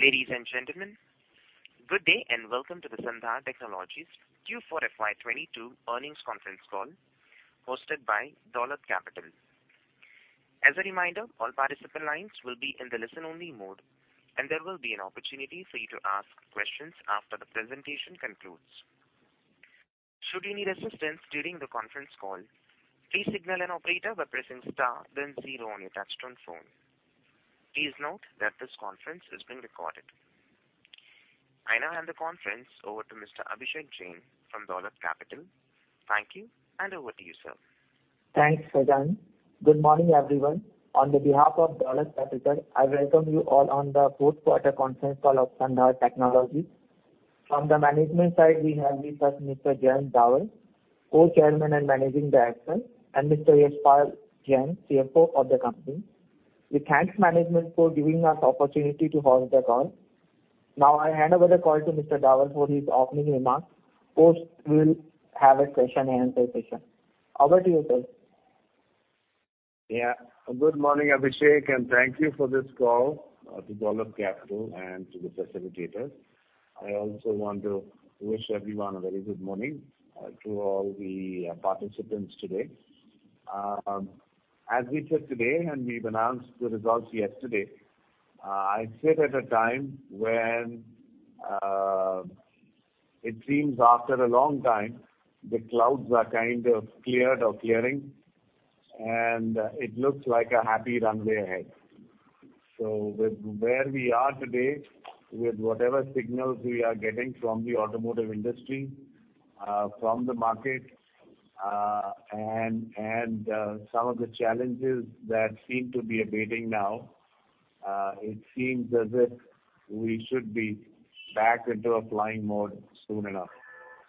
Ladies and gentlemen, good day and welcome to the Sandhar Technologies Q4 FY22 earnings conference call hosted by Dolat Capital. As a reminder, all participant lines will be in the listen-only mode, and there will be an opportunity for you to ask questions after the presentation concludes. Should you need assistance during the conference call, please signal an operator by pressing star then zero on your touch-tone phone. Please note that this conference is being recorded. I now hand the conference over to Mr. Abhishek Jain from Dolat Capital. Thank you, and over to you, sir. Thanks, Sajani. Good morning, everyone. On behalf of Dolat Capital, I welcome you all on the Q4 conference call of Sandhar Technologies. From the management side, we have with us Mr. Jayant Davar, Co-Chairman and Managing Director, and Mr. Yashpal Jain, CFO of the company. We thank management for giving us opportunity to host the call. Now, I hand over the call to Mr. Davar for his opening remarks. Post we will have a question and answer session. Over to you, sir. Yeah. Good morning, Abhishek, and thank you for this call to Dolat Capital and to the facilitators. I also want to wish everyone a very good morning to all the participants today. As we sit today, and we've announced the results yesterday, I sit at a time when it seems after a long time the clouds are kind of cleared or clearing, and it looks like a happy runway ahead. With where we are today, with whatever signals we are getting from the automotive industry, from the market, and some of the challenges that seem to be abating now, it seems as if we should be back into a flying mode soon enough.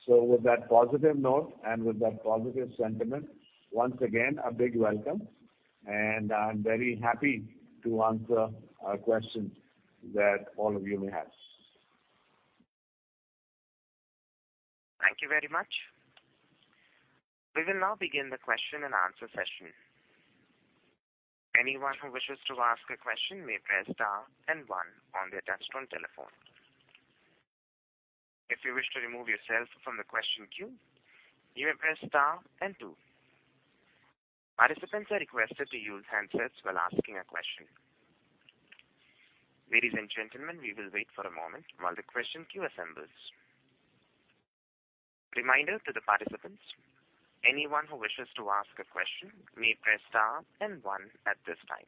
With that positive note and with that positive sentiment, once again, a big welcome, and I'm very happy to answer questions that all of you may have. Thank you very much. We will now begin the question-and-answer session. Anyone who wishes to ask a question may press star and one on their touch-tone telephone. If you wish to remove yourself from the question queue, you may press star and two. Participants are requested to use handsets while asking a question. Ladies and gentlemen, we will wait for a moment while the question queue assembles. Reminder to the participants, anyone who wishes to ask a question may press star and one at this time.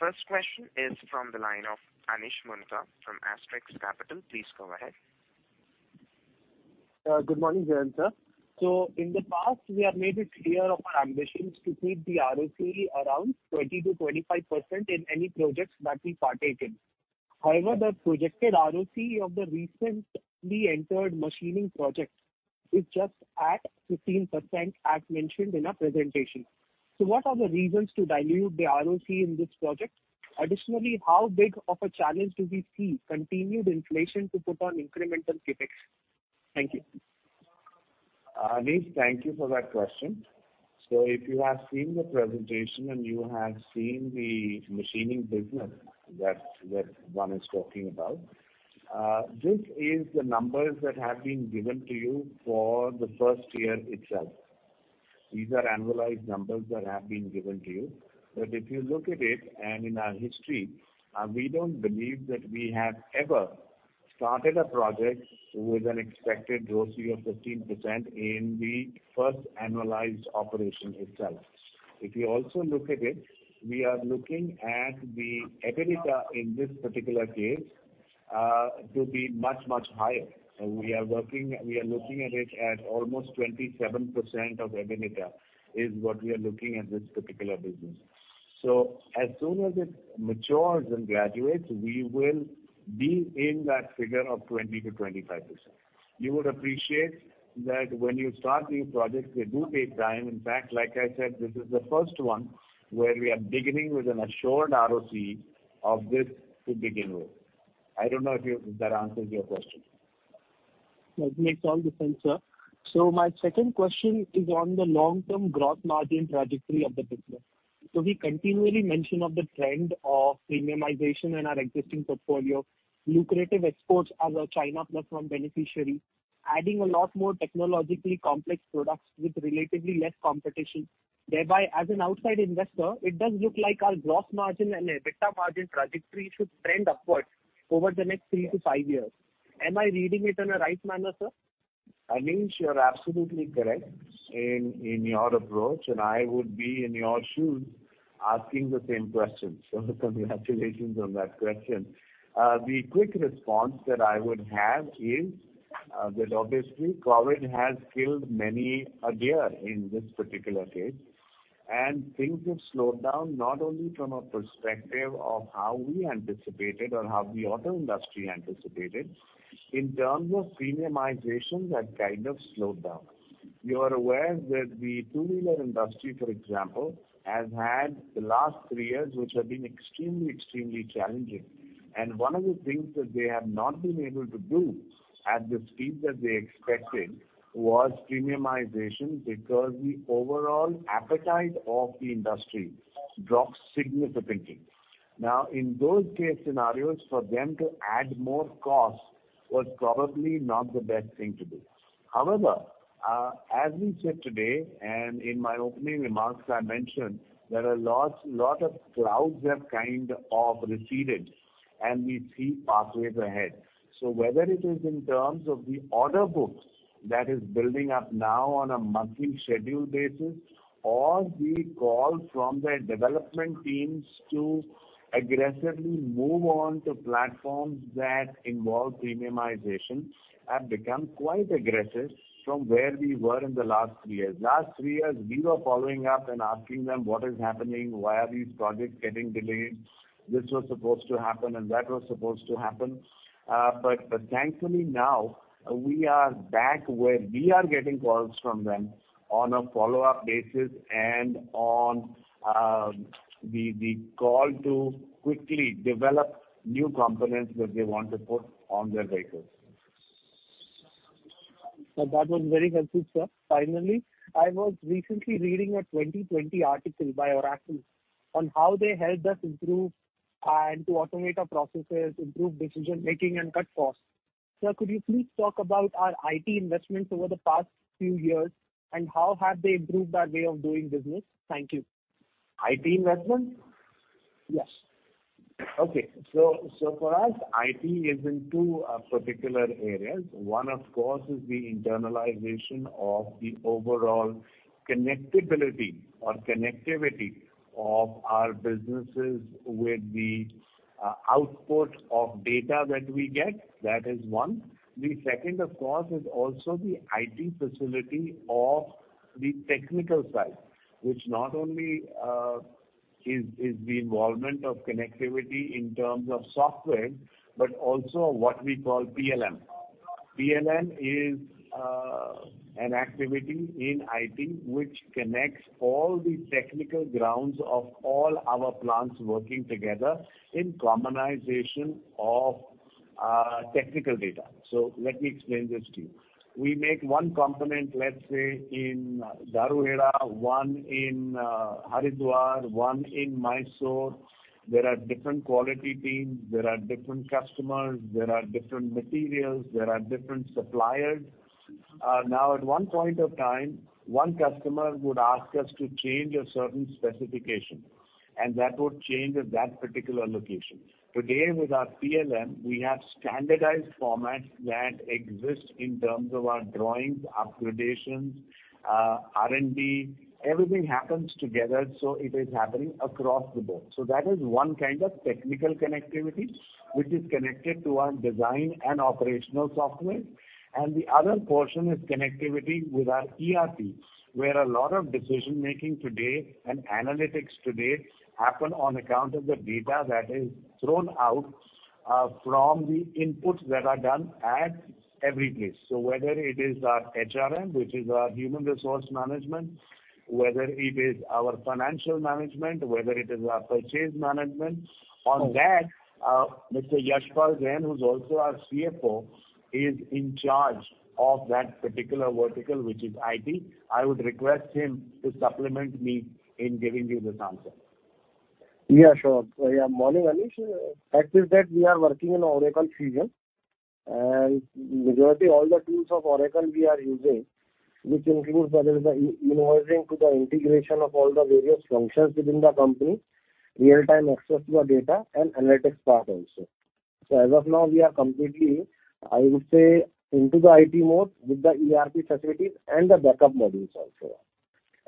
First question is from the line of Anish Moonka from Astrex Capital. Please go ahead. Good morning, Jayant sir. In the past, we have made it clear of our ambitions to keep the ROCE around 20%-25% in any projects that we partake in. However, the projected ROCE of the recently entered machining project is just at 15% as mentioned in our presentation. What are the reasons to dilute the ROCE in this project? Additionally, how big of a challenge do we see continued inflation to put on incremental CapEx? Thank you. Anish, thank you for that question. If you have seen the presentation and you have seen the machining business that one is talking about, this is the numbers that have been given to you for the first year itself. These are annualized numbers that have been given to you. If you look at it and in our history, we don't believe that we have ever started a project with an expected ROCE of 15% in the first annualized operation itself. If you also look at it, we are looking at the EBITDA in this particular case to be much, much higher. We are looking at it at almost 27% of EBITDA, is what we are looking at this particular business. As soon as it matures and graduates, we will be in that figure of 20-25%. You would appreciate that when you start new projects, they do take time. In fact, like I said, this is the first one where we are beginning with an assured ROCE of this to begin with. I don't know if that answers your question? That makes all the sense, sir. My second question is on the long-term gross margin trajectory of the business. We continually mention of the trend of premiumization in our existing portfolio, lucrative exports as a China plus one beneficiary, adding a lot more technologically complex products with relatively less competition. Thereby, as an outside investor, it does look like our gross margin and EBITDA margin trajectory should trend upwards over the next 3-5 years. Am I reading it in a right manner, sir? Anish, you're absolutely correct in your approach, and I would be in your shoes asking the same questions. Congratulations on that question. The quick response that I would have is that obviously COVID has killed many a gear in this particular case. Things have slowed down not only from a perspective of how we anticipated or how the auto industry anticipated. In terms of premiumization, that kind of slowed down. You are aware that the two-wheeler industry, for example, has had the last three years which have been extremely challenging. One of the things that they have not been able to do at the speed that they expected was premiumization, because the overall appetite of the industry dropped significantly. Now, in those case scenarios, for them to add more costs was probably not the best thing to do. However, as we said today, and in my opening remarks I mentioned, there are a lot of clouds have kind of receded and we see pathways ahead. Whether it is in terms of the order books that is building up now on a monthly schedule basis, or the call from the development teams to aggressively move on to platforms that involve premiumization, have become quite aggressive from where we were in the last three years. Last three years, we were following up and asking them, "What is happening? Why are these projects getting delayed? This was supposed to happen, and that was supposed to happen." Thankfully now we are back where we are getting calls from them on a follow-up basis and on the call to quickly develop new components that they want to put on their vehicles. That was very helpful, sir. Finally, I was recently reading a 2020 article by Oracle on how they helped us improve and to automate our processes, improve decision making and cut costs. Sir, could you please talk about our IT investments over the past few years, and how have they improved our way of doing business? Thank you. IT investment? Yes. Okay. For us, IT is in two particular areas. One of course is the internalization of the overall connectivity or connectivity of our businesses with the output of data that we get. That is one. The second, of course, is also the IT facility of the technical side, which not only is the involvement of connectivity in terms of software, but also what we call PLM. PLM is an activity in IT which connects all the technical grounds of all our plants working together in commonization of technical data. Let me explain this to you. We make one component, let's say, in Dharuhera, one in Haridwar, one in Mysore. There are different quality teams, there are different customers, there are different materials, there are different suppliers. Now at one point of time, one customer would ask us to change a certain specification, and that would change at that particular location. Today with our PLM, we have standardized formats that exist in terms of our drawings, upgrades, R&D. Everything happens together, so it is happening across the board. That is one kind of technical connectivity which is connected to our design and operational software. The other portion is connectivity with our ERP, where a lot of decision-making today and analytics today happen on account of the data that is thrown out from the inputs that are done at every place. Whether it is our HRM, which is our human resource management, whether it is our financial management, whether it is our purchase management. On that, Mr. Yashpal Jain, who's also our CFO, is in charge of that particular vertical, which is IT. I would request him to supplement me in giving you this answer. Yeah, sure. Yeah. Morning, Anish. Fact is that we are working in Oracle Fusion and majority all the tools of Oracle we are using, which includes whether the e-invoicing to the integration of all the various functions within the company, real-time access to the data and analytics part also. So as of now we are completely, I would say, into the IT mode with the ERP facilities and the backup modules also.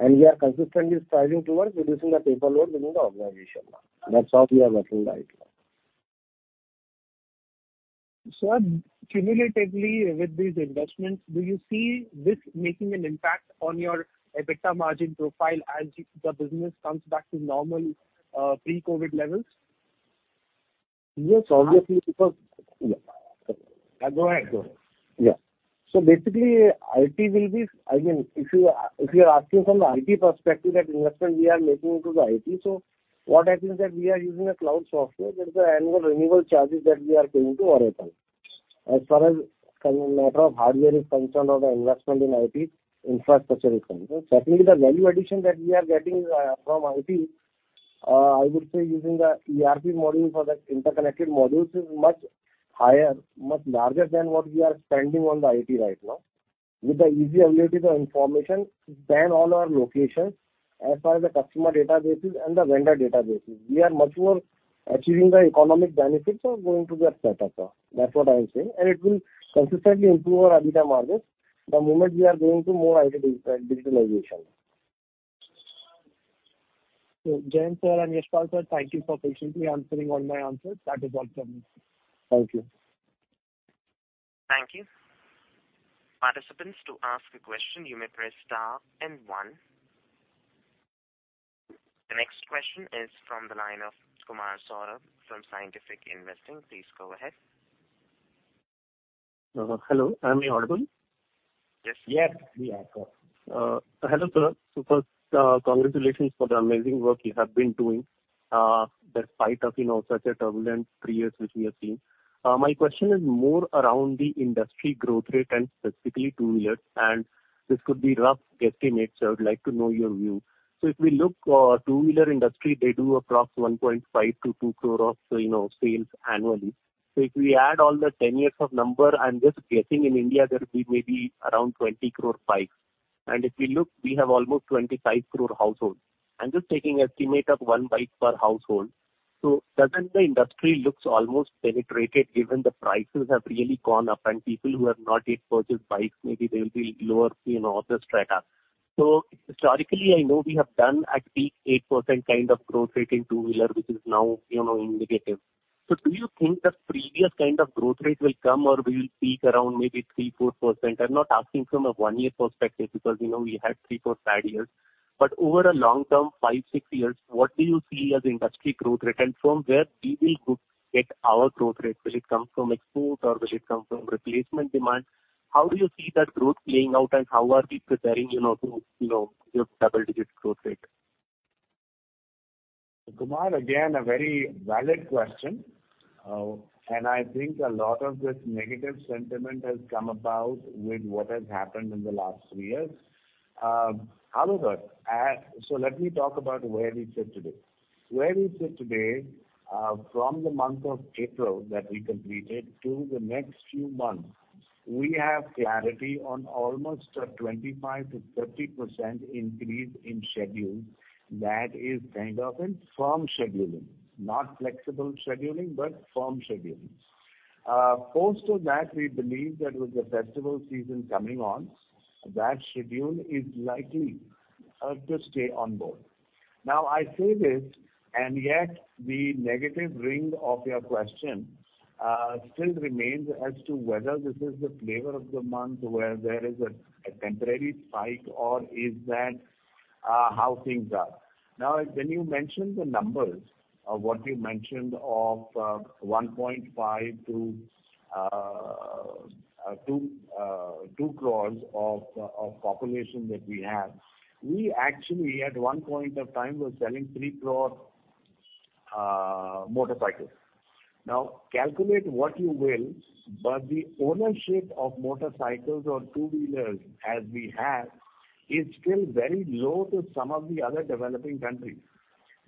We are consistently striving towards reducing the paper load within the organization. That's all we are working right now. Sir, cumulatively with these investments, do you see this making an impact on your EBITDA margin profile as the business comes back to normal, pre-COVID levels? Yes, obviously, because. Go ahead. Yeah. Basically IT will be. I mean, if you are asking from the IT perspective that investment we are making into the IT, what happens is that we are using a cloud software, there is annual renewal charges that we are paying to Oracle. As far as matter of hardware is concerned or the investment in IT infrastructure is concerned, certainly the value addition that we are getting from IT, I would say using the ERP module for the interconnected modules is much higher, much larger than what we are spending on the IT right now. With the easy availability of the information to span all our locations as far as the customer databases and the vendor databases, we are much more achieving the economic benefits of going to the setup. That's what I am saying. It will consistently improve our EBITDA margins the moment we are going to more IT digitalization. Jayant sir and Yashpal sir, thank you for patiently answering all my questions. That is all from me. Thank you. Thank you. Participants, to ask a question, you may press star then one. The next question is from the line of Kumar Saurabh from Scientific Investing. Please go ahead. Hello, am I audible? Yes. Yes, we are, sir. Hello, sir. First, congratulations for the amazing work you have been doing, despite of, you know, such a turbulent three years which we have seen. My question is more around the industry growth rate and specifically two-wheelers, and this could be rough estimates, so I would like to know your view. If we look, two-wheeler industry, they do approx 1.5-2 crore of, you know, sales annually. If we add all the 10 years of number, I'm just guessing in India there would be maybe around 20 crore bikes. If we look, we have almost 25 crore households. I'm just taking estimate of one bike per household. Doesn't the industry looks almost penetrated given the prices have really gone up and people who have not yet purchased bikes, maybe they'll be lower, you know, the strata. Historically, I know we have done at peak 8% kind of growth rate in two-wheeler, which is now, you know, in negative. Do you think the previous kind of growth rate will come or we'll peak around maybe 3%-4%? I'm not asking from a one-year perspective because, you know, we had 3-4 bad years. Over a long term, 5-6 years, what do you see as industry growth rate? And from where we will go get our growth rate? Will it come from export or will it come from replacement demand? How do you see that growth playing out and how are we preparing, you know, to, you know, give double-digit growth rate? Kumar, again, a very valid question. I think a lot of this negative sentiment has come about with what has happened in the last three years. However, let me talk about where we sit today. Where we sit today, from the month of April that we completed to the next few months, we have clarity on almost a 25%-30% increase in schedules that is kind of in firm scheduling. Not flexible scheduling, but firm scheduling. Post that, we believe that with the festival season coming on, that schedule is likely to stay on board. Now, I say this, and yet the negative ring of your question still remains as to whether this is the flavor of the month where there is a temporary spike or is that how things are. Now, when you mention the numbers of what you mentioned of 1.5 to 2 crores of population that we have, we actually at one point of time were selling 3 crore motorcycles. Now, calculate what you will, but the ownership of motorcycles or two-wheelers as we have is still very low to some of the other developing countries.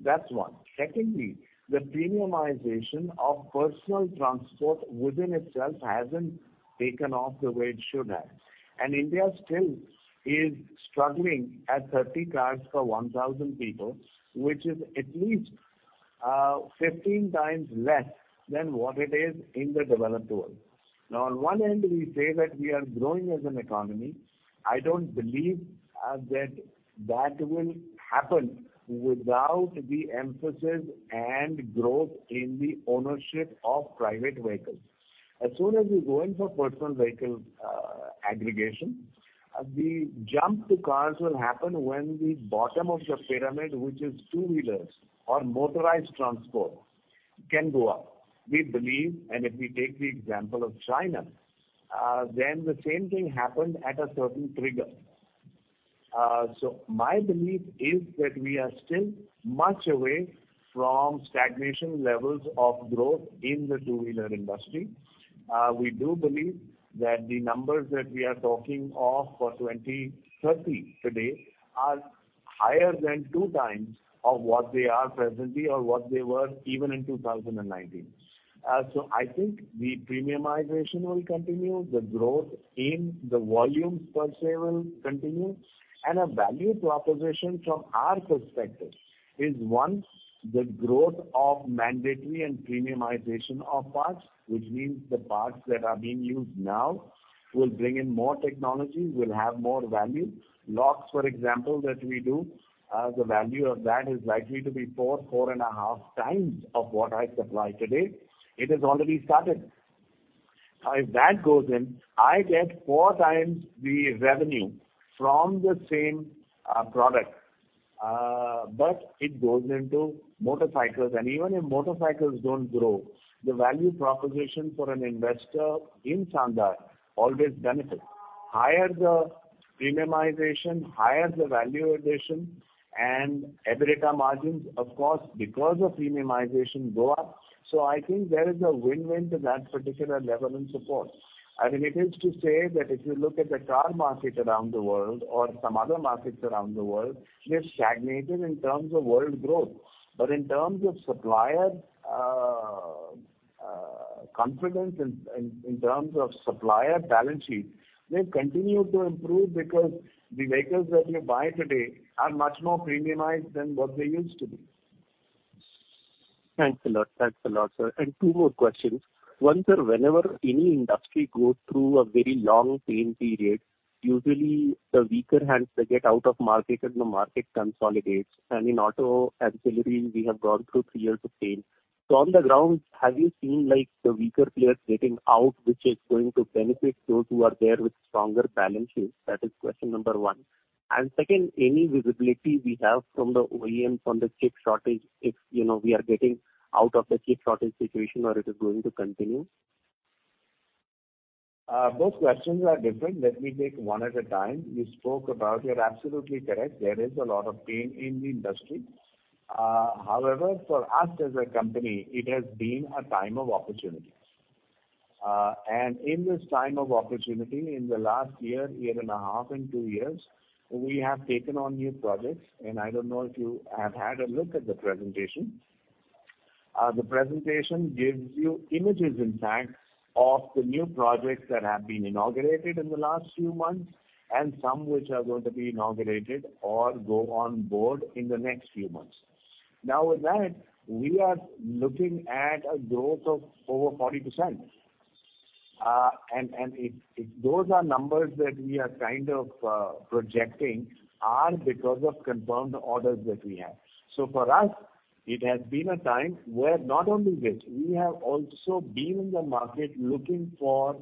That's one. Secondly, the premiumization of personal transport within itself hasn't taken off the way it should have. India still is struggling at 30 cars per 1,000 people, which is at least 15 times less than what it is in the developed world. Now, on one end we say that we are growing as an economy. I don't believe that will happen without the emphasis and growth in the ownership of private vehicles. As soon as we're going for personal vehicle aggregation, the jump to cars will happen when the bottom of the pyramid, which is two-wheelers or motorized transport, can go up. We believe, and if we take the example of China, then the same thing happened at a certain trigger. My belief is that we are still much away from stagnation levels of growth in the two-wheeler industry. We do believe that the numbers that we are talking of for 2030 today are higher than two times of what they are presently or what they were even in 2019. I think the premiumization will continue. The growth in the volumes per se will continue. A value proposition from our perspective is, once the growth of mandatory and premiumization of parts, which means the parts that are being used now, will bring in more technology, will have more value. Locks, for example, that we do, the value of that is likely to be 4-4.5 times of what I supply today. It has already started. Now if that goes in, I get 4 times the revenue from the same, product, but it goes into motorcycles. Even if motorcycles don't grow, the value proposition for an investor in Sandhar always benefits. Higher the premiumization, higher the value addition and EBITDA margins, of course, because of premiumization go up. I think there is a win-win to that particular level and support. I mean, it is to say that if you look at the car market around the world or some other markets around the world, they've stagnated in terms of world growth. In terms of supplier confidence in terms of supplier balance sheet, they've continued to improve because the vehicles that you buy today are much more premiumized than what they used to be. Thanks a lot. Thanks a lot, sir. Two more questions. One, sir, whenever any industry goes through a very long pain period, usually the weaker hands, they get out of market and the market consolidates. In auto ancillary, we have gone through three years of pain. On the ground, have you seen like the weaker players getting out, which is going to benefit those who are there with stronger balance sheets? That is question number one. Second, any visibility we have from the OEM from the chip shortage, if, you know, we are getting out of the chip shortage situation or it is going to continue. Both questions are different. Let me take one at a time. You spoke about, you're absolutely correct. There is a lot of pain in the industry. However, for us as a company, it has been a time of opportunity. In this time of opportunity, in the last year and a half, and 2 years, we have taken on new projects, and I don't know if you have had a look at the presentation. The presentation gives you images, in fact, of the new projects that have been inaugurated in the last few months, and some which are going to be inaugurated or go on board in the next few months. Now, with that, we are looking at a growth of over 40%. Those are numbers that we are kind of projecting are because of confirmed orders that we have. For us, it has been a time where not only this, we have also been in the market looking for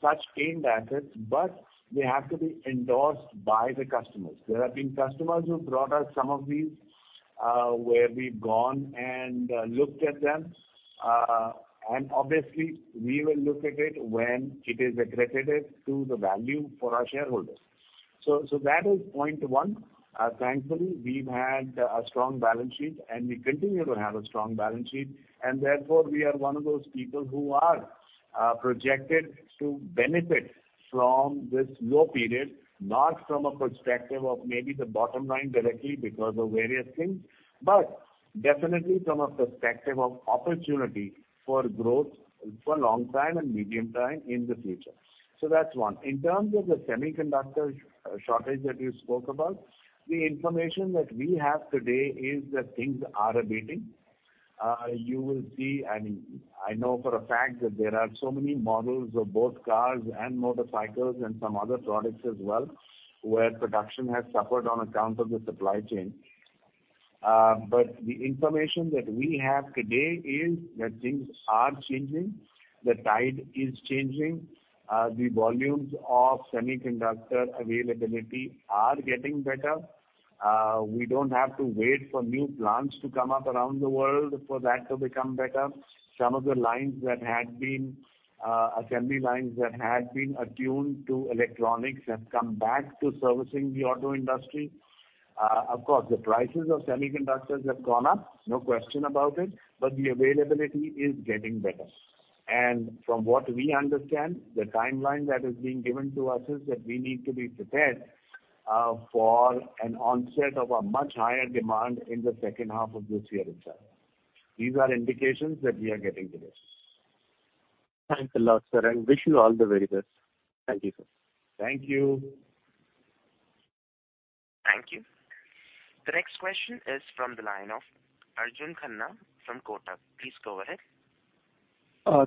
such pained assets, but they have to be endorsed by the customers. There have been customers who brought us some of these, where we've gone and looked at them. Obviously we will look at it when it is accretive to the value for our shareholders. That is point one. Thankfully, we've had a strong balance sheet, and we continue to have a strong balance sheet, and therefore we are one of those people who are projected to benefit from this low period, not from a perspective of maybe the bottom line directly because of various things, but definitely from a perspective of opportunity for growth for long time and medium time in the future. That's one. In terms of the semiconductor shortage that you spoke about, the information that we have today is that things are abating. You will see, and I know for a fact that there are so many models of both cars and motorcycles and some other products as well, where production has suffered on account of the supply chain. But the information that we have today is that things are changing. The tide is changing. The volumes of semiconductor availability are getting better. We don't have to wait for new plants to come up around the world for that to become better. Some of the lines that had been assembly lines that had been attuned to electronics have come back to servicing the auto industry. Of course, the prices of semiconductors have gone up, no question about it, but the availability is getting better. From what we understand, the timeline that is being given to us is that we need to be prepared for an onset of a much higher demand in the second half of this year itself. These are indications that we are getting this. Thanks a lot, sir. Wish you all the very best. Thank you, sir. Thank you. Thank you. The next question is from the line of Arjun Khanna from Kotak. Please go ahead.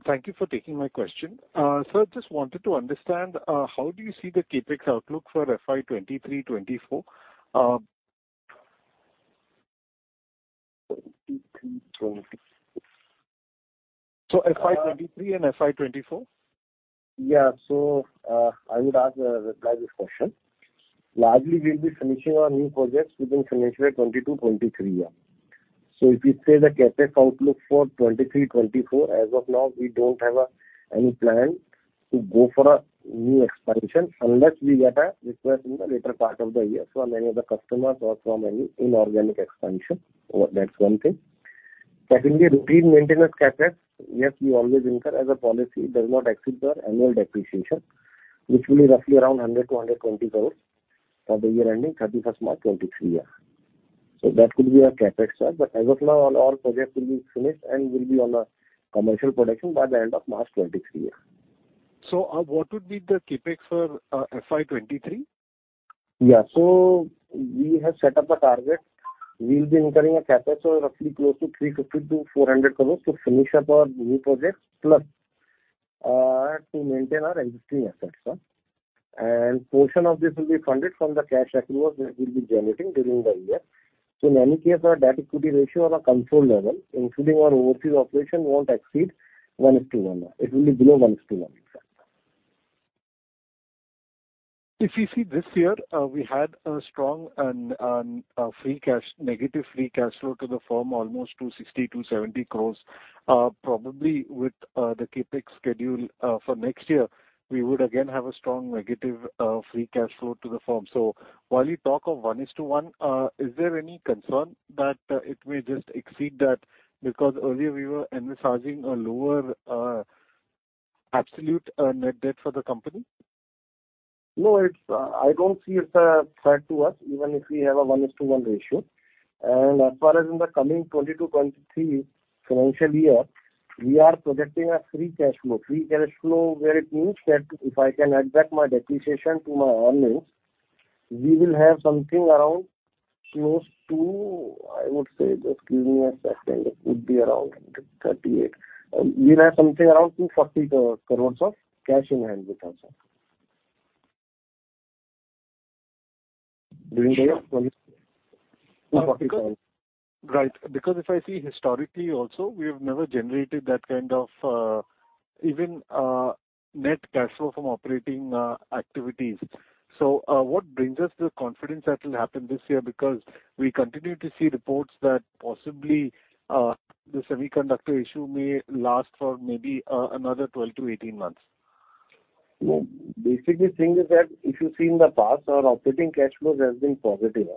Thank you for taking my question. Sir, just wanted to understand how do you see the CapEx outlook for FY 2023-2024? 2023, 2024. FY 2023 and FY 2024. Yeah. I would like to reply to this question. Largely, we'll be finishing our new projects within financial year 2022-23. If you say the CapEx outlook for 2023-24, as of now, we don't have any plan to go for a new expansion unless we get a request in the later part of the year from any of the customers or from any inorganic expansion. That's one thing. Secondly, routine maintenance CapEx, yes, we always incur as a policy. It does not exceed our annual depreciation, which will be roughly around 100 crore-120 crore for the year ending March 31st 2023. That could be our CapEx, sir. As of now all projects will be finished and will be on commercial production by the end of March 2023. What would be the CapEx for FY 2023? Yeah. We have set up a target. We'll be incurring a CapEx of roughly close to 350-400 crores to finish up our new projects, plus, to maintain our existing assets, sir. A portion of this will be funded from the cash accruals that we'll be generating during the year. In any case, our debt-equity ratio on a consolidated level, including our overseas operation, won't exceed 1:1. It will be below 1:1, in fact. If you see this year, we had a strong negative free cash flow to the firm, almost 260-270 crores. Probably with the CapEx schedule for next year, we would again have a strong negative free cash flow to the firm. While you talk of one to one, is there any concern that it may just exceed that? Because earlier we were envisaging a lower absolute net debt for the company. No, it's, I don't see it as a threat to us, even if we have a one-to-one ratio. As far as in the coming 2022-23 financial year, we are projecting a free cash flow. Free cash flow where it means that if I can add back my depreciation to my earnings, we will have something around close to, I would say, it would be around 38. We'll have something around INR 240 crores of cash in hand with us, sir. During the year. Right. Because if I see historically also, we have never generated that kind of, even, net cash flow from operating activities. What brings us the confidence that will happen this year? Because we continue to see reports that possibly, the semiconductor issue may last for maybe, another 12-18 months. No. Basically, thing is that if you see in the past, our operating cash flows has been positive.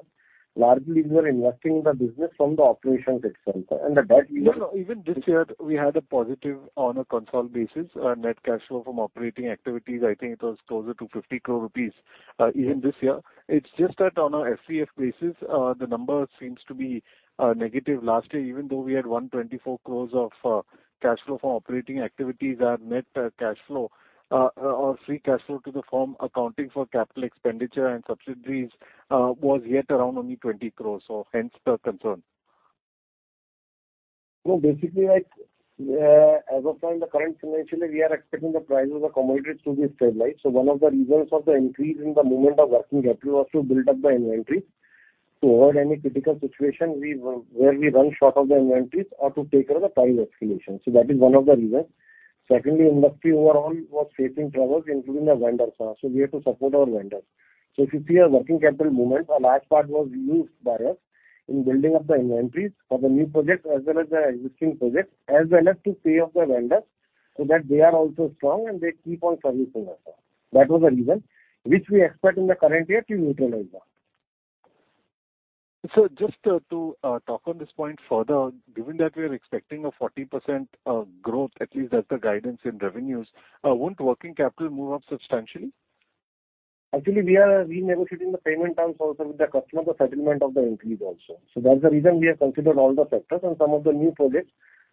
Largely, we are investing in the business from the operations itself, and the debt we are. No, no. Even this year we had a positive on a consolidated basis, net cash flow from operating activities. I think it was closer to 50 crore rupees, even this year. It's just that on our FCF basis, the number seems to be negative. Last year, even though we had 124 crore of cash flow from operating activities, our net cash flow, or free cash flow to the firm accounting for capital expenditure and subsidies, was yet around only 20 crore. Hence the concern. No, basically, like, as of now in the current financial year, we are expecting the prices of commodities to be stabilized. One of the reasons of the increase in the movement of working capital was to build up the inventory to avoid any critical situation where we run short of the inventories or to take care of the price escalation. That is one of the reasons. Secondly, industry overall was facing troubles, including the vendors. We had to support our vendors. If you see our working capital movement, a large part was used by us in building up the inventories for the new projects as well as the existing projects, as well as to pay off the vendors so that they are also strong and they keep on servicing us. That was the reason which we expect in the current year to utilize that. Just to talk on this point further, given that we are expecting a 40% growth at least as the guidance in revenues, won't working capital move up substantially? Actually, we are renegotiating the payment terms also with the customer, the settlement of the increase also. That's the reason we have considered all the factors and some of the new projects.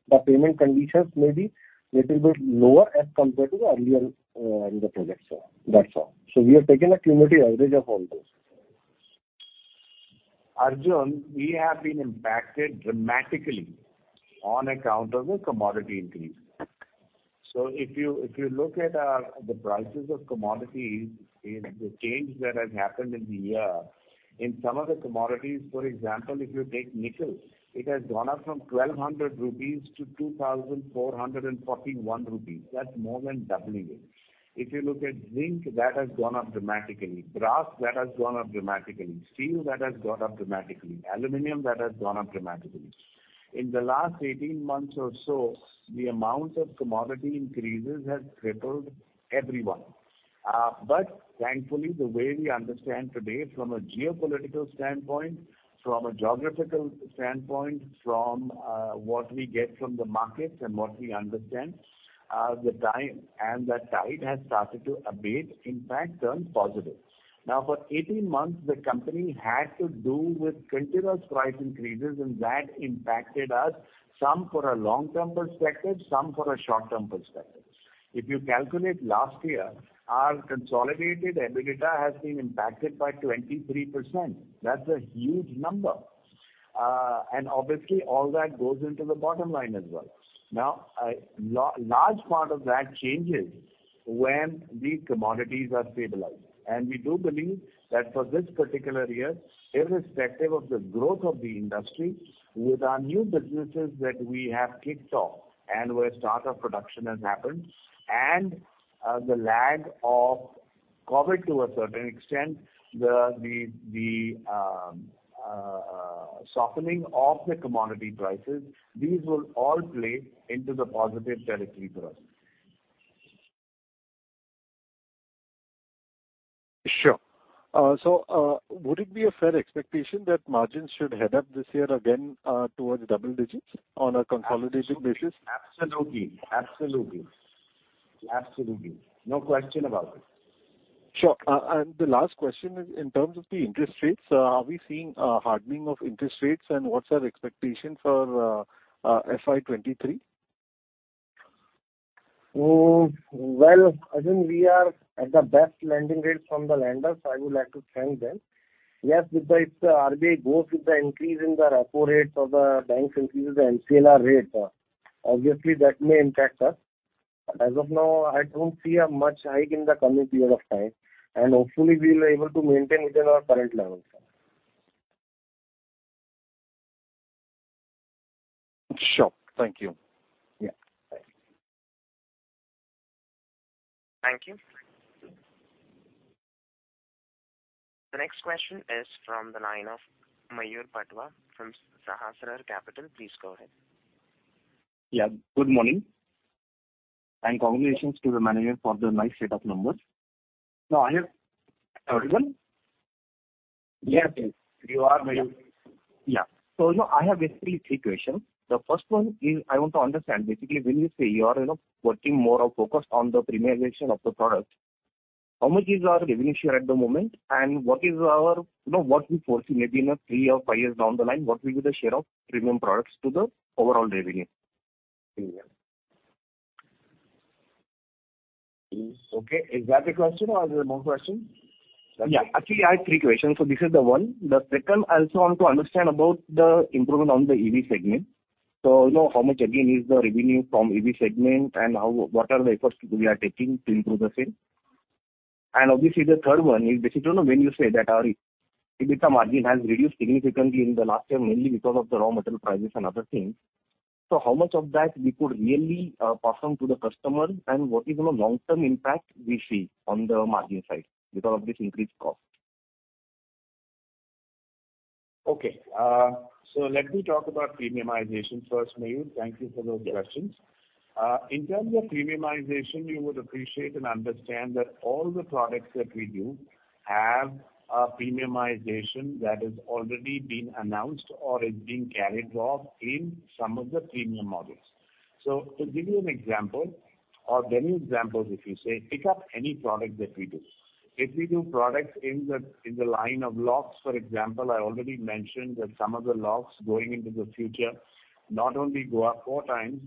The payment conditions may be little bit lower as compared to the earlier, in the projects. That's all. We have taken a cumulative average of all those. Arjun, we have been impacted dramatically on account of the commodity increase. If you look at the prices of commodities in the change that has happened in the year, in some of the commodities, for example, if you take nickel, it has gone up from 1,200 rupees to 2,441 rupees. That's more than doubling it. If you look at zinc, that has gone up dramatically. Brass, that has gone up dramatically. Steel, that has gone up dramatically. Aluminum, that has gone up dramatically. In the last 18 months or so, the amount of commodity increases has crippled everyone. Thankfully, the way we understand today from a geopolitical standpoint, from a geographical standpoint, from what we get from the markets and what we understand, the time and the tide has started to abate, in fact, turn positive. Now, for 18 months, the company had to do with continuous price increases, and that impacted us some for a long-term perspective, some for a short-term perspective. If you calculate last year, our consolidated EBITDA has been impacted by 23%. That's a huge number. Obviously all that goes into the bottom line as well. Now, a large part of that changes when these commodities are stabilized. We do believe that for this particular year, irrespective of the growth of the industry, with our new businesses that we have kicked off and where start of production has happened and the lag of COVID to a certain extent, the softening of the commodity prices, these will all play into the positive territory for us. Sure. Would it be a fair expectation that margins should head up this year again, towards double digits on a consolidated basis? Absolutely. No question about it. Sure. The last question is in terms of the interest rates, are we seeing a hardening of interest rates and what's our expectation for FY 2023? Well, Arjun, we are at the best lending rate from the lenders. I would like to thank them. Yes, if the RBI goes with the increase in the repo rates or the banks increases the MCLR rate, obviously that may impact us. As of now, I don't see a much hike in the coming period of time, and hopefully we will able to maintain within our current levels. Sure. Thank you. Yeah. Thank you. Thank you. The next question is from the line of Mayur Patwa from Sahasrar Capital. Please go ahead. Yeah. Good morning, and congratulations to the management for the nice set of numbers. No, I have, pardon? Yes, please. You are Mayur. Yeah. You know, I have basically three questions. The first one is I want to understand basically when you say you are, you know, working more or focused on the premiumization of the product, how much is our revenue share at the moment? What is our, you know, what we foresee maybe in a three or five years down the line, what will be the share of premium products to the overall revenue in a year? Okay. Is that a question or is there more question? Yeah. Actually, I have three questions. This is the one. The second, I also want to understand about the improvement on the EV segment. You know, how much again is the revenue from EV segment and how, what are the efforts we are taking to improve the same? Obviously, the third one is basically, you know, when you say that our EBITDA margin has reduced significantly in the last year, mainly because of the raw material prices and other things. How much of that we could really, pass on to the customer? What is the long-term impact we see on the margin side because of this increased cost? Okay. Let me talk about premiumization first, Mayur. Thank you for those questions. In terms of premiumization, you would appreciate and understand that all the products that we do have a premiumization that has already been announced or is being carried off in some of the premium models. To give you an example, or many examples, if you say, pick up any product that we do. If we do products in the line of locks, for example, I already mentioned that some of the locks going into the future not only go up four times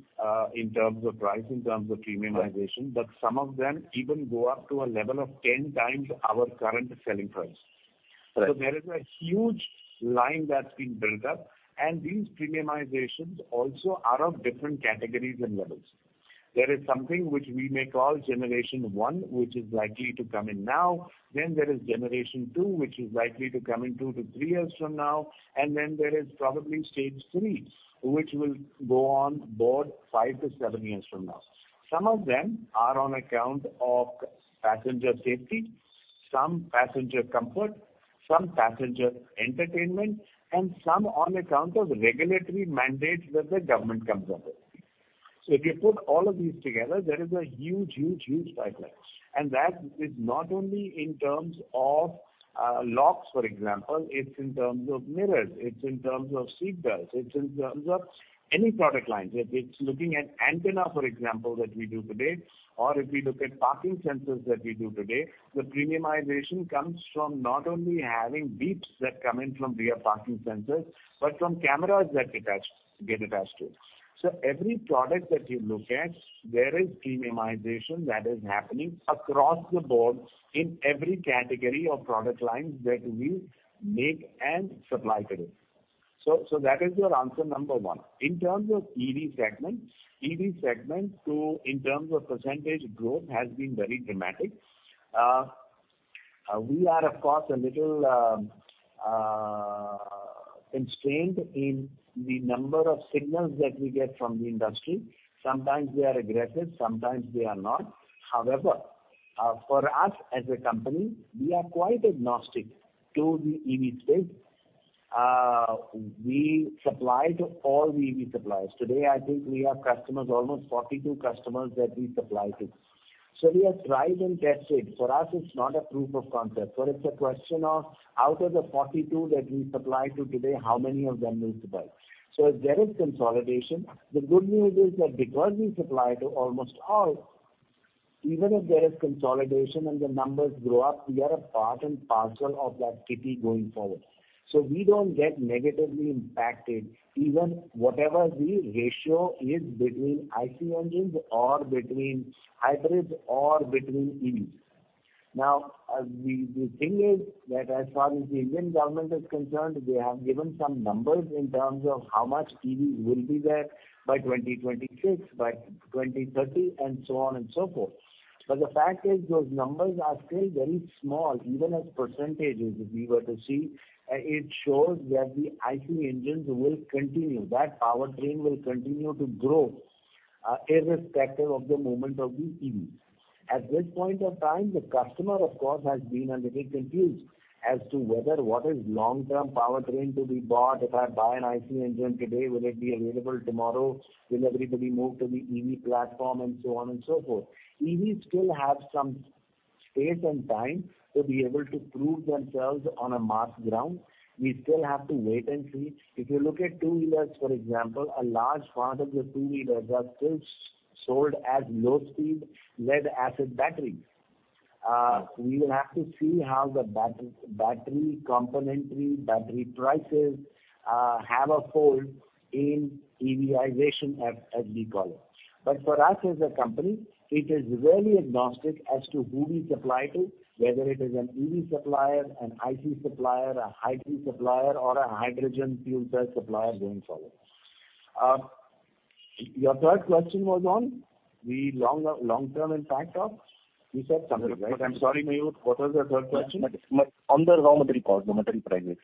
in terms of price, in terms of premiumization. Right. Some of them even go up to a level of 10x our current selling price. Right. There is a huge line that's been built up. These premiumizations also are of different categories and levels. There is something which we may call generation 1, which is likely to come in now. There is generation 2, which is likely to come in 2-3 years from now. There is probably stage 3, which will go on board 5-7 years from now. Some of them are on account of passenger safety, some passenger comfort, some passenger entertainment, and some on account of regulatory mandates that the government comes up with. If you put all of these together, there is a huge, huge, huge pipeline. That is not only in terms of locks, for example, it's in terms of mirrors, it's in terms of seat belts, it's in terms of any product lines. If it's looking at antenna, for example, that we do today, or if we look at parking sensors that we do today, the premiumization comes from not only having beeps that come in from rear parking sensors, but from cameras that get attached to it. Every product that you look at, there is premiumization that is happening across the board in every category of product lines that we make and supply today. That is your answer number one. In terms of EV segment too, in terms of percentage growth has been very dramatic. We are of course a little constrained in the number of signals that we get from the industry. Sometimes they are aggressive, sometimes they are not. However, for us as a company, we are quite agnostic to the EV space. We supply to all the EV suppliers. Today, I think we have customers, almost 42 customers that we supply to. We are tried and tested. For us, it's not a proof of concept, but it's a question of out of the 42 that we supply to today, how many of them will survive? If there is consolidation, the good news is that because we supply to almost all, even if there is consolidation and the numbers grow up, we are a part and parcel of that kitty going forward. We don't get negatively impacted even whatever the ratio is between IC engines or between hybrids or between EVs. Now, the thing is that as far as the Indian government is concerned, they have given some numbers in terms of how much EVs will be there by 2026, by 2030, and so on and so forth. The fact is those numbers are still very small, even as percentages if we were to see. It shows that the IC engines will continue, that powertrain will continue to grow, irrespective of the momentum of the EVs. At this point of time, the customer, of course, has been a little confused as to whether what is long-term powertrain to be bought. If I buy an IC engine today, will it be available tomorrow? Will everybody move to the EV platform? And so on and so forth. EVs still have some space and time to be able to prove themselves on a mass market. We still have to wait and see. If you look at two-wheelers, for example, a large part of the two-wheelers are still sold as low-speed lead-acid batteries. We will have to see how the battery componentry, battery prices, have a hold in EVization, as we call it. For us as a company, it is really agnostic as to who we supply to, whether it is an EV supplier, an IC supplier, a hybrid supplier, or a hydrogen fuel cell supplier going forward. Your third question was on the long-term impact of you said something, right? Yes. I'm sorry, Mayur, what was the third question? On the raw material cost, the material prices.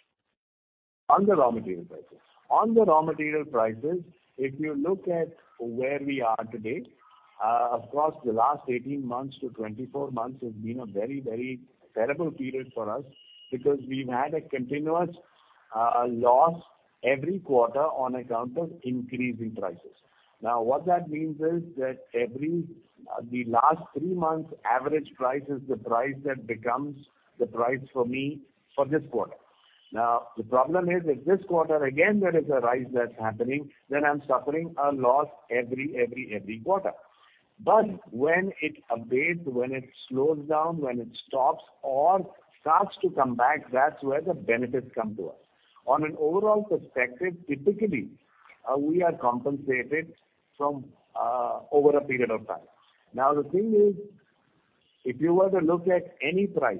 On the raw material prices. On the raw material prices, if you look at where we are today, of course, the last 18 months to 24 months has been a very, very terrible period for us because we've had a continuous loss every quarter on account of increasing prices. Now, what that means is that every the last three months' average price is the price that becomes the price for me for this quarter. Now, the problem is if this quarter again there is a rise that's happening, then I'm suffering a loss every quarter. But when it abates, when it slows down, when it stops or starts to come back, that's where the benefits come to us. From an overall perspective, typically we are compensated for over a period of time. Now, the thing is, if you were to look at any price.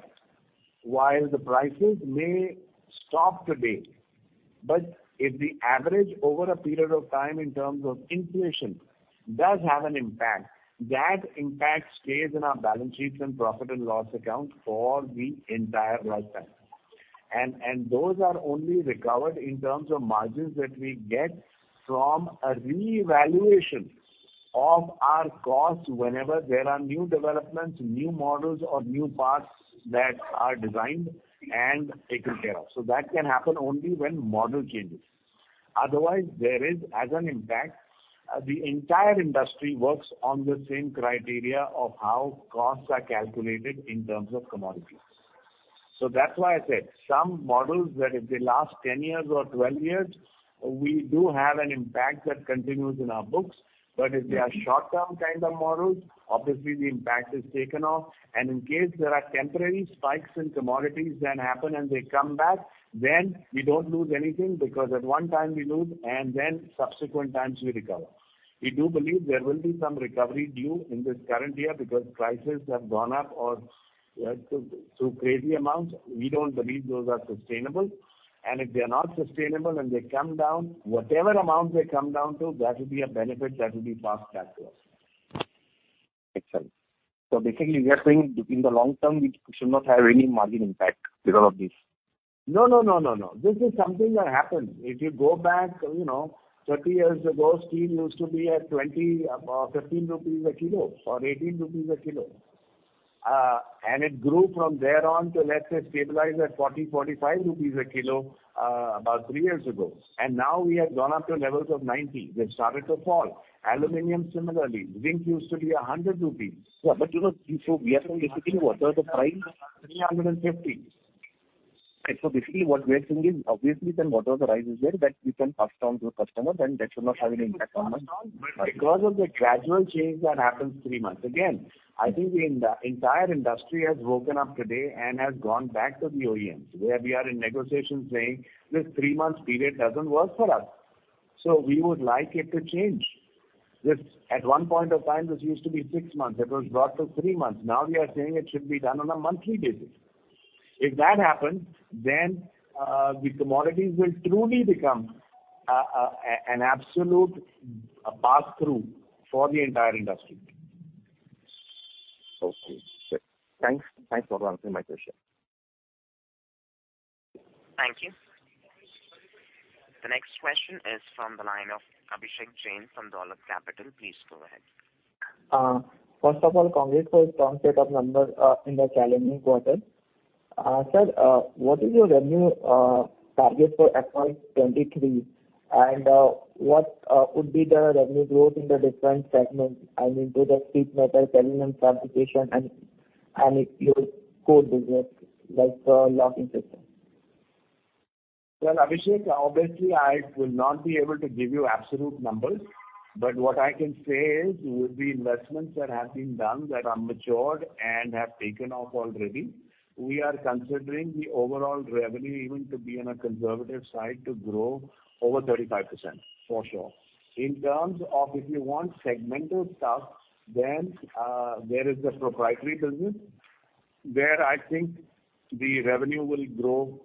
While the prices may drop today, but if the average over a period of time in terms of inflation does have an impact, that impact stays in our balance sheet and profit and loss account for the entire lifetime. Those are only recovered in terms of margins that we get from a reevaluation of our costs whenever there are new developments, new models or new parts that are designed and taken care of. That can happen only when model changes. Otherwise, there is an impact, the entire industry works on the same criteria of how costs are calculated in terms of commodities. That's why I said some models that if they last 10 years or 12 years, we do have an impact that continues in our books. If they are short-term kind of models, obviously the impact is taken off. In case there are temporary spikes in commodities that happen and they come back, then we don't lose anything, because at one time we lose, and then subsequent times we recover. We do believe there will be some recovery due in this current year because prices have gone up to crazy amounts. We don't believe those are sustainable. If they are not sustainable and they come down, whatever amount they come down to, that will be a benefit that will be passed back to us. Excellent. Basically, we are saying in the long term, it should not have any margin impact because of this. No, no, no. This is something that happened. If you go back, you know, 30 years ago, steel used to be at 20, 15 rupees a kilo or 18 rupees a kilo. It grew from there on to, let's say, stabilize at 40-45 rupees a kilo, about three years ago. Now we have gone up to levels of 90. They've started to fall. Aluminum similarly. Zinc used to be 100 rupees. Yeah, you know, we are saying basically whatever the price. 350. Basically what we are saying is obviously then whatever the rise is there that you can pass down to the customer, then that should not have any impact on us. Because of the gradual change that happens three months. Again, I think the entire industry has woken up today and has gone back to the OEMs, where we are in negotiations saying this three-month period doesn't work for us, so we would like it to change. This, at one point of time, this used to be six months. It was brought to three months. Now we are saying it should be done on a monthly basis. If that happens, then the commodities will truly become an absolute pass-through for the entire industry. Okay. Sure. Thanks. Thanks for answering my question. Thank you. The next question is from the line of Abhishek Jain from Dolat Capital. Please go ahead. First of all, congrats for strong set of numbers in the challenging quarter. Sir, what is your revenue target for FY 2023? What would be the revenue growth in the different segments? I mean, be that sheet metal, aluminum fabrication and your core business, like locking system. Well, Abhishek, obviously I will not be able to give you absolute numbers, but what I can say is with the investments that have been done that are matured and have taken off already, we are considering the overall revenue even to be on a conservative side to grow over 35%, for sure. In terms of if you want segmental stuff, then, there is the proprietary business where I think the revenue will grow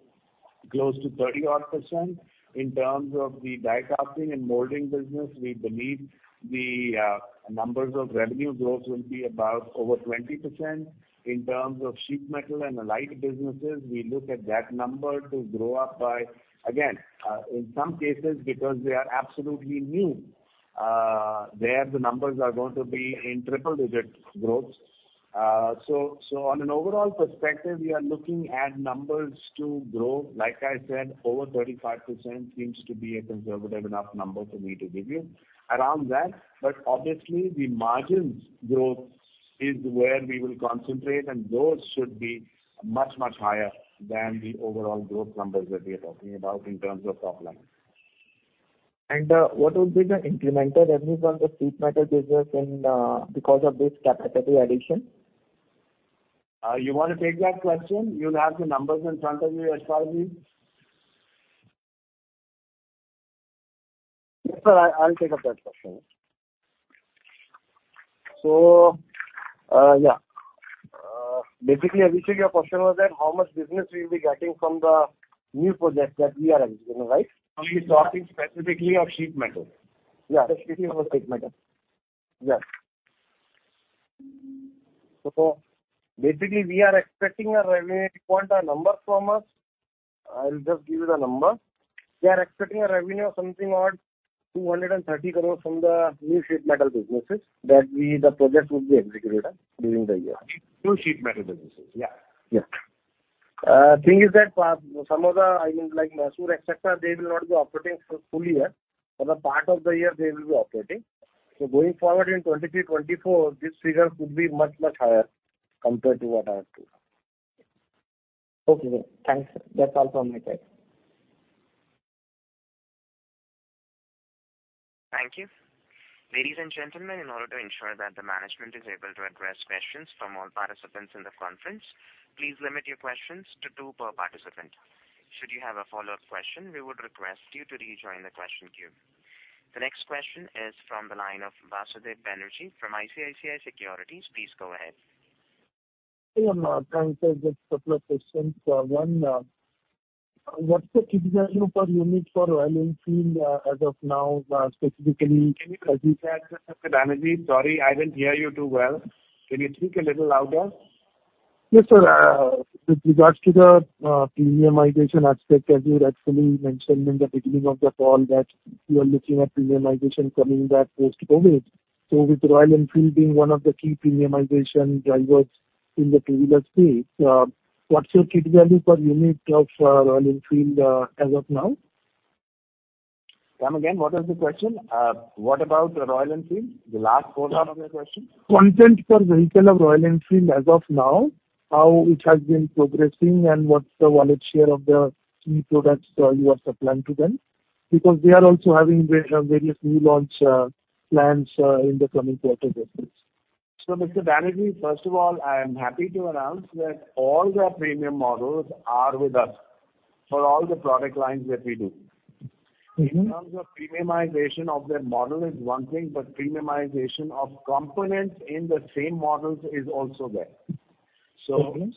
close to 30-odd%. In terms of the die casting and molding business, we believe the numbers of revenue growth will be about over 20%. In terms of sheet metal and allied businesses, we look at that number to grow up by, again, in some cases, because they are absolutely new, there the numbers are going to be in triple-digit growth. On an overall perspective, we are looking at numbers to grow, like I said, over 35% seems to be a conservative enough number for me to give you. Around that, but obviously the margins growth is where we will concentrate, and those should be much, much higher than the overall growth numbers that we are talking about in terms of top line. What will be the incremental revenue from the sheet metal business and because of this capacity addition? You want to take that question? You'll have the numbers in front of you, Ashwani. Yes, sir, I'll take up that question. Yeah. Basically, Abhishek, your question was that how much business we'll be getting from the new projects that we are executing, right? Are you talking specifically of sheet metal? Yeah, specifically of sheet metal. Yeah. Basically, we are expecting a revenue—you want a number from us? I'll just give you the number. We are expecting a revenue of something odd, 230 crores from the new sheet metal businesses that we, the projects will be executed during the year. Two sheet metal businesses. Thing is that for some of the, I mean, like Mysore, et cetera, they will not be operating for full year. For the part of the year they will be operating. Going forward in 2023, 2024, this figure could be much, much higher compared to what I have told. Okay. Thanks. That's all from my side. Thank you. Ladies and gentlemen, in order to ensure that the management is able to address questions from all participants in the conference, please limit your questions to two per participant. Should you have a follow-up question, we would request you to rejoin the question queue. The next question is from the line of Basudeb Banerjee from ICICI Securities. Please go ahead. I am trying to get couple of questions. One, what's the kit value per unit for Royal Enfield as of now? Specifically, can you Can you please ask Mr. Banerjee? Sorry, I didn't hear you too well. Can you speak a little louder? Yes, sir. With regards to the premiumization aspect, as you had actually mentioned in the beginning of the call that you are looking at premiumization coming back post-COVID. With Royal Enfield being one of the key premiumization drivers in the two-wheeler space, what's your kit value per unit of Royal Enfield as of now? Come again, what was the question? What about Royal Enfield? The last portion of your question. Content per vehicle of Royal Enfield as of now, how it has been progressing and what's the wallet share of the key products you are supplying to them because they are also having various new launch plans in the coming quarter, that is. Mr. Banerjee, first of all, I am happy to announce that all their premium models are with us for all the product lines that we do. In terms of premiumization of their model is one thing, but premiumization of components in the same models is also there. Okay.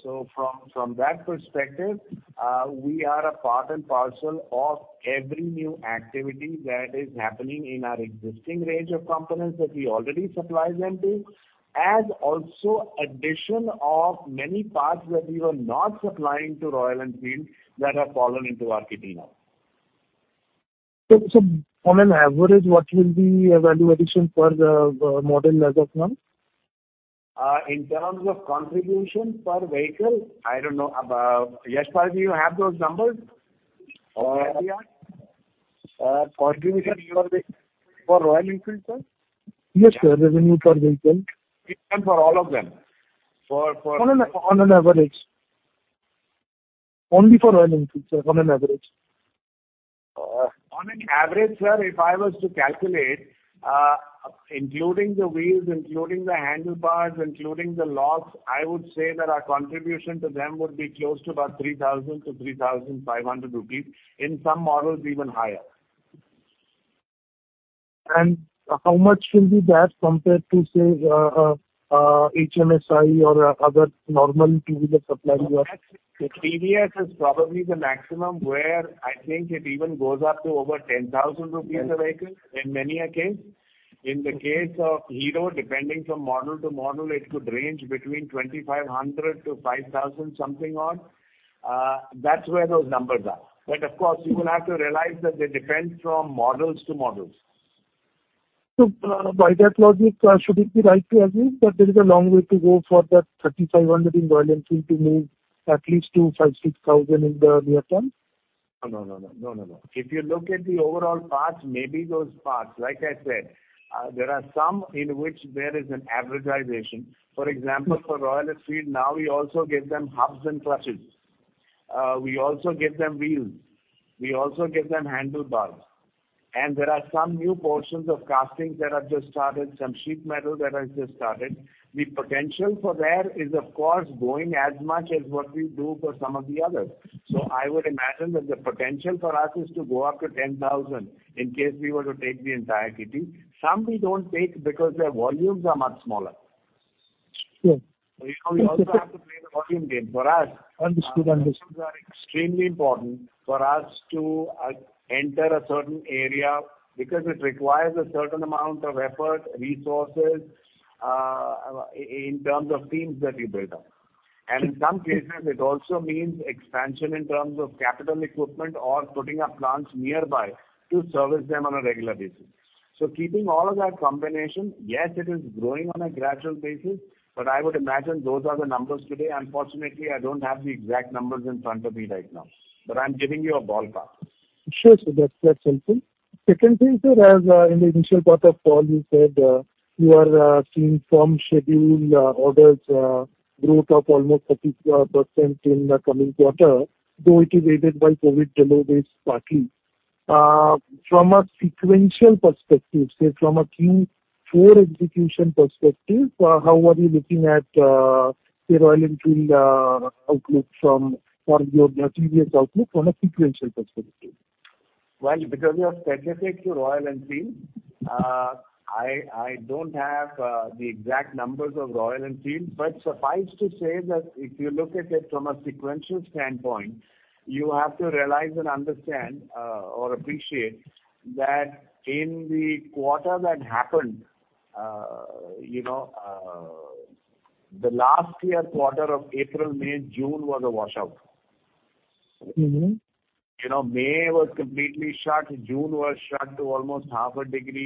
From that perspective, we are a part and parcel of every new activity that is happening in our existing range of components that we already supply them to, as also addition of many parts that we were not supplying to Royal Enfield that have fallen into our kitty now. On an average, what will be a value addition per the model as of now? In terms of contribution per vehicle, I don't know. Yashpal, do you have those numbers or idea? Contribution for Royal Enfield, sir? Yes, sir. Revenue per vehicle. Vehicle for all of them. On an average. Only for Royal Enfield, sir, on an average. On an average, sir, if I was to calculate, including the wheels, including the handlebars, including the locks, I would say that our contribution to them would be close to about 3,000-3,500 rupees. In some models even higher. How much will be that compared to, say, HMSI or other normal two-wheeler suppliers you have? TVS is probably the maximum where I think it even goes up to over 10,000 rupees a vehicle in many a case. In the case of Hero, depending from model to model, it could range between 2,500-5,000 something odd. That's where those numbers are. Of course, you will have to realize that they depend from models to models. By that logic, should it be right to assume that there is a long way to go for that 3,500 in Royal Enfield to move at least to 5,000-6,000 in the near term? No. If you look at the overall parts, maybe those parts. Like I said, there are some in which there is an averaging. For example, for Royal Enfield now we also give them hubs and clutches. We also give them wheels, we also give them handlebars. There are some new portions of castings that have just started, some sheet metal that has just started. The potential there is of course growing as much as what we do for some of the others. I would imagine that the potential for us is to go up to 10,000 in case we were to take the entire kitty. Some we don't take because their volumes are much smaller. Sure. You know, we also have to play the volume game. For us. Understood. Volumes are extremely important for us to enter a certain area because it requires a certain amount of effort, resources, in terms of teams that you build up. In some cases, it also means expansion in terms of capital equipment or putting up plants nearby to service them on a regular basis. Keeping all of that combination, yes, it is growing on a gradual basis, but I would imagine those are the numbers today. Unfortunately, I don't have the exact numbers in front of me right now, but I'm giving you a ballpark. Sure, sir. That's helpful. Second thing, sir, as in the initial part of call, you said you are seeing some scheduled orders growth of almost 30% in the coming quarter, though it is aided by COVID delivery slightly. From a sequential perspective, say from a Q4 execution perspective, how are you looking at, say Royal Enfield outlook for your previous outlook from a sequential perspective? Well, because we are strategic to Royal Enfield, I don't have the exact numbers of Royal Enfield, but suffice to say that if you look at it from a sequential standpoint, you have to realize and understand, or appreciate that in the quarter that happened, you know, the last year quarter of April, May, June was a washout. You know, May was completely shut. June was shut to almost half a month.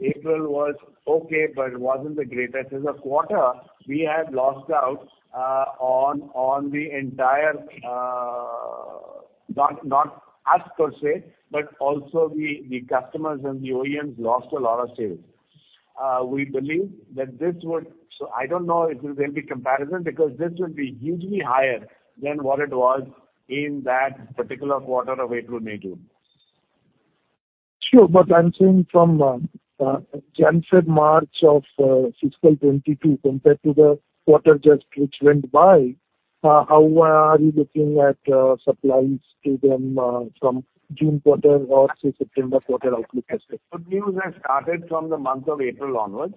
April was okay, but it wasn't the greatest. As a quarter, we had lost out on the entire, not us per se, but also the customers and the OEMs lost a lot of sales. We believe that this would. I don't know if there will be comparison because this will be hugely higher than what it was in that particular quarter of April, May, June. Sure. I'm saying from January to March of fiscal 2022 compared to the quarter just which went by. How are you looking at supplies to them from June quarter or say September quarter outlook aspect? Good news has started from the month of April onwards.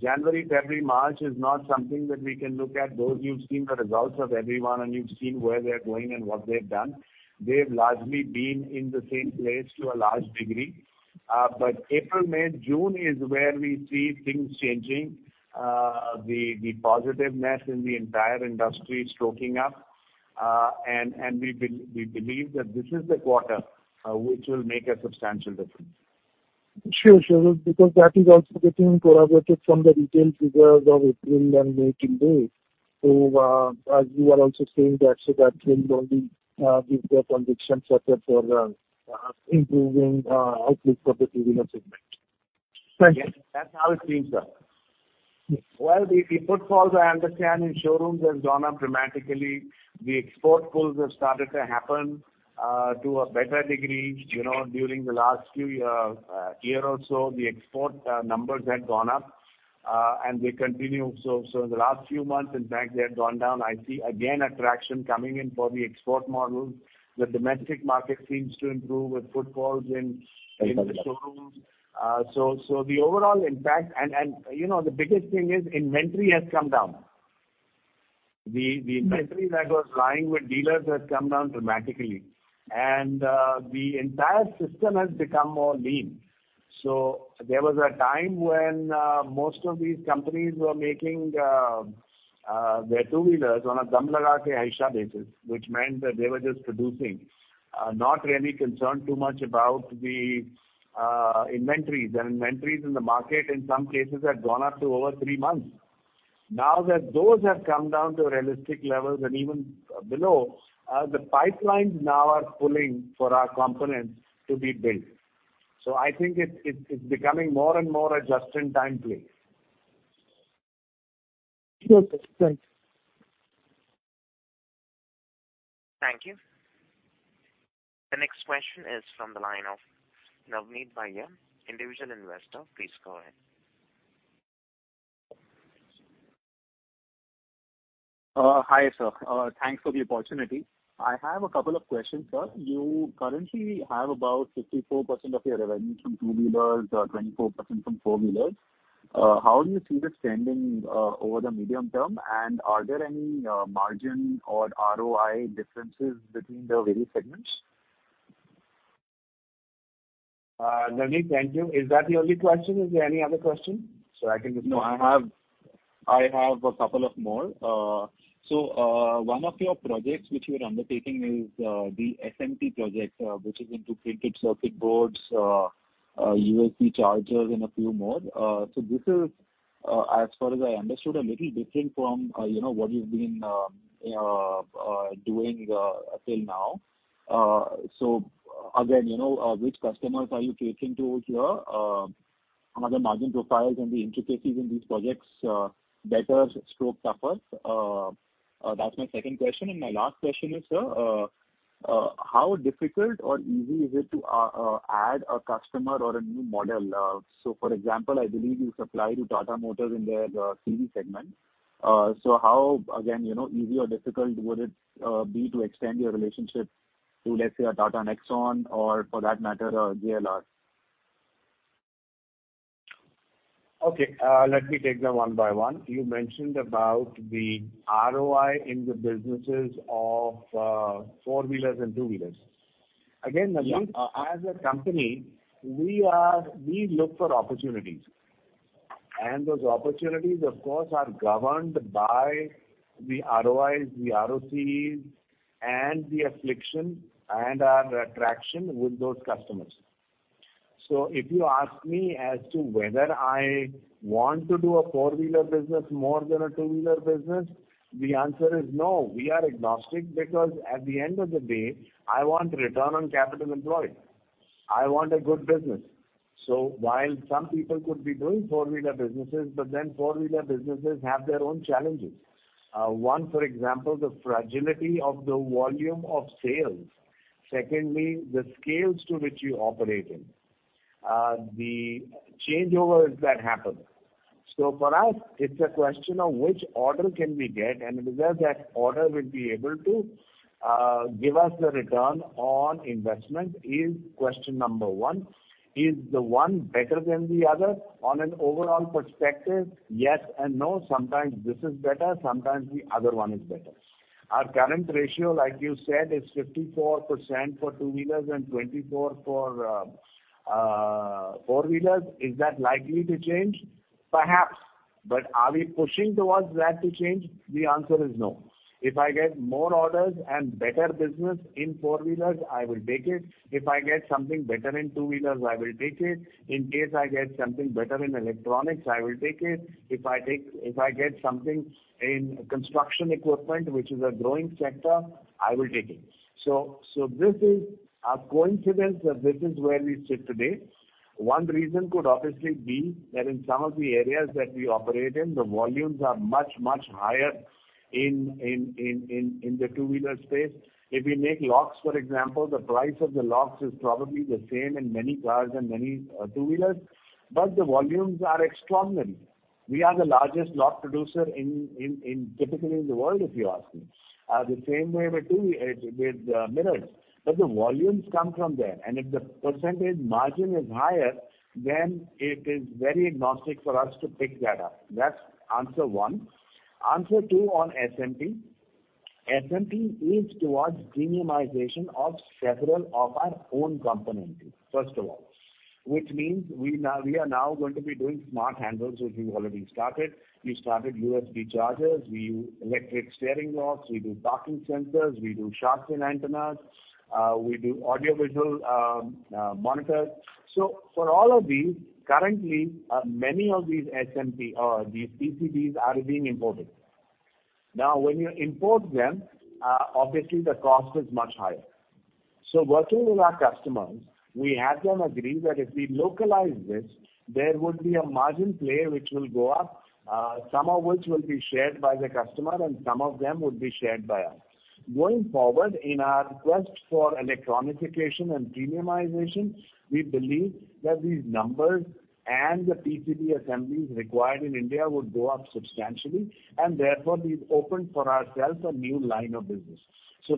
January, February, March is not something that we can look at. Those you've seen the results of everyone and you've seen where they're going and what they've done. They've largely been in the same place to a large degree. April, May, June is where we see things changing. The positiveness in the entire industry stoking up. We believe that this is the quarter which will make a substantial difference. Sure. Because that is also getting corroborated from the retail figures of April and May till date. As you are also saying that, so that trend only gives the conviction further for improving outlook for the two-wheeler segment. Thank you. Yes. That's how it seems, sir. Well, the footfalls I understand in showrooms has gone up dramatically. The export pulls have started to happen, to a better degree. You know, during the last few year or so, the export numbers had gone up, and they continue. In the last few months, in fact, they had gone down. I see again attraction coming in for the export models. The domestic market seems to improve with footfalls in the showrooms. The overall impact. You know, the biggest thing is inventory has come down. The inventory that was lying with dealers has come down dramatically. The entire system has become more lean. There was a time when most of these companies were making their two-wheelers on a basis, which meant that they were just producing, not really concerned too much about the inventories. The inventories in the market in some cases had gone up to over three months. Now that those have come down to realistic levels and even below, the pipelines now are pulling for our components to be built. I think it's becoming more and more a just-in-time play. Okay. Thanks. Thank you. The next question is from the line of Navneet Bhaiya, Individual Investor. Please go ahead. Hi, sir. Thanks for the opportunity. I have a couple of questions, sir. You currently have about 54% of your revenue from two-wheelers, 24% from four-wheelers. How do you see this trending over the medium term? Are there any margin or ROI differences between the various segments? Navneet Bhaiya, thank you. Is that the only question? Is there any other question so I can just- No, I have a couple more. One of your projects which you are undertaking is the SMT project, which is into printed circuit boards, USB chargers and a few more. This is, as far as I understood, a little different from, you know, what you've been doing till now. Again, you know, which customers are you catering to here? Are the margin profiles and the intricacies in these projects better/tougher? That's my second question. My last question is, sir, how difficult or easy is it to add a customer or a new model? For example, I believe you supply to Tata Motors in their CV segment. How, again, you know, easy or difficult would it be to extend your relationship to, let's say, a Tata Nexon or for that matter, a JLR? Okay. Let me take them one by one. You mentioned about the ROI in the businesses of four-wheelers and two-wheelers. Again, Navneet Bhaiya. Yes As a company, we look for opportunities. Those opportunities, of course, are governed by the ROIs, the ROCs, and the affiliation and our attraction with those customers. If you ask me as to whether I want to do a four-wheeler business more than a two-wheeler business, the answer is no. We are agnostic because at the end of the day, I want return on capital employed. I want a good business. While some people could be doing four-wheeler businesses, four-wheeler businesses have their own challenges. One, for example, the fragility of the volume of sales. Secondly, the scales to which you operate in. The changeovers that happen. For us, it's a question of which order can we get and whether that order will be able to give us the return on investment is question number one. Is the one better than the other? On an overall perspective, yes and no. Sometimes this is better, sometimes the other one is better. Our current ratio, like you said, is 54% for two-wheelers and 24% for four-wheelers. Is that likely to change? Perhaps. Are we pushing towards that to change? The answer is no. If I get more orders and better business in four-wheelers, I will take it. If I get something better in two-wheelers, I will take it. In case I get something better in electronics, I will take it. If I get something in construction equipment, which is a growing sector, I will take it. This is a coincidence that this is where we sit today. One reason could obviously be that in some of the areas that we operate in, the volumes are much higher in the two-wheeler space. If we make locks, for example, the price of the locks is probably the same in many cars and many two-wheelers, but the volumes are extraordinary. We are the largest lock producer typically in the world, if you ask me. The same way we do with mirrors. But the volumes come from there, and if the percentage margin is higher, then it is very agnostic for us to pick that up. That's answer one. Answer two on SMT. SMT is towards premiumization of several of our own componentry, first of all, which means we are now going to be doing smart handles, which we've already started. We started USB chargers. We do electric steering locks. We do parking sensors. We do shark fin antennas. We do audio-visual monitors. For all of these, currently, many of these SMT or these PCBs are being imported. Now, when you import them, obviously the cost is much higher. Working with our customers, we had them agree that if we localize this, there would be a margin play which will go up, some of which will be shared by the customer and some of them would be shared by us. Going forward, in our quest for electronication and premiumization, we believe that these numbers and the PCB assemblies required in India would go up substantially, and therefore we've opened for ourselves a new line of business.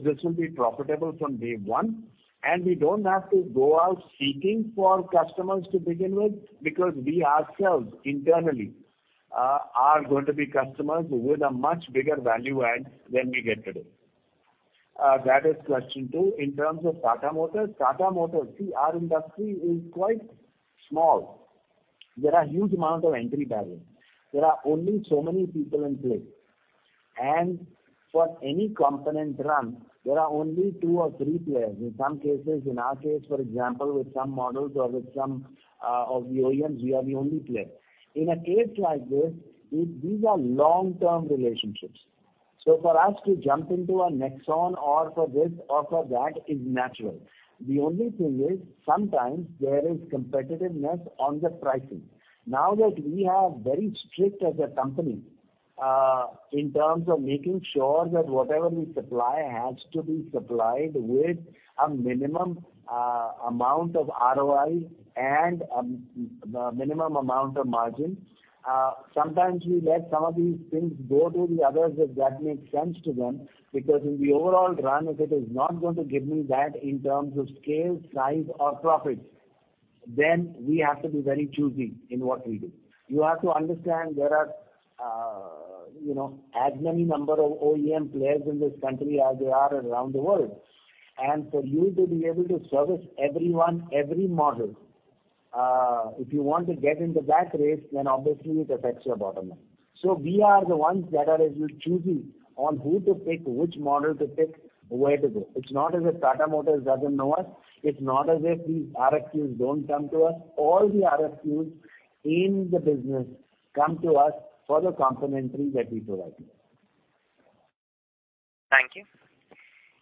This will be profitable from day one, and we don't have to go out seeking for customers to begin with, because we ourselves internally are going to be customers with a much bigger value add than we get today. That is question two. In terms of Tata Motors. Tata Motors. See, our industry is quite small. There are huge amount of entry barriers. There are only so many people in play. For any component run, there are only two or three players. In some cases, in our case, for example, with some models or with some of the OEMs, we are the only player. In a case like this, these are long-term relationships. For us to jump into a Nexon or for this or for that is natural. The only thing is sometimes there is competitiveness on the pricing. Now that we are very strict as a company, in terms of making sure that whatever we supply has to be supplied with a minimum amount of ROI and minimum amount of margin, sometimes we let some of these things go to the others if that makes sense to them, because in the overall run, if it is not going to give me that in terms of scale, size, or profit, then we have to be very choosy in what we do. You have to understand there are, you know, as many number of OEM players in this country as there are around the world, and for you to be able to service everyone, every model, if you want to get into that race, then obviously it affects your bottom line. We are the ones that are a little choosy on who to pick, which model to pick, where to go. It's not as if Tata Motors doesn't know us. It's not as if these RFQs don't come to us. All the RFQs in the business come to us for the complementaries that we provide them. Thank you.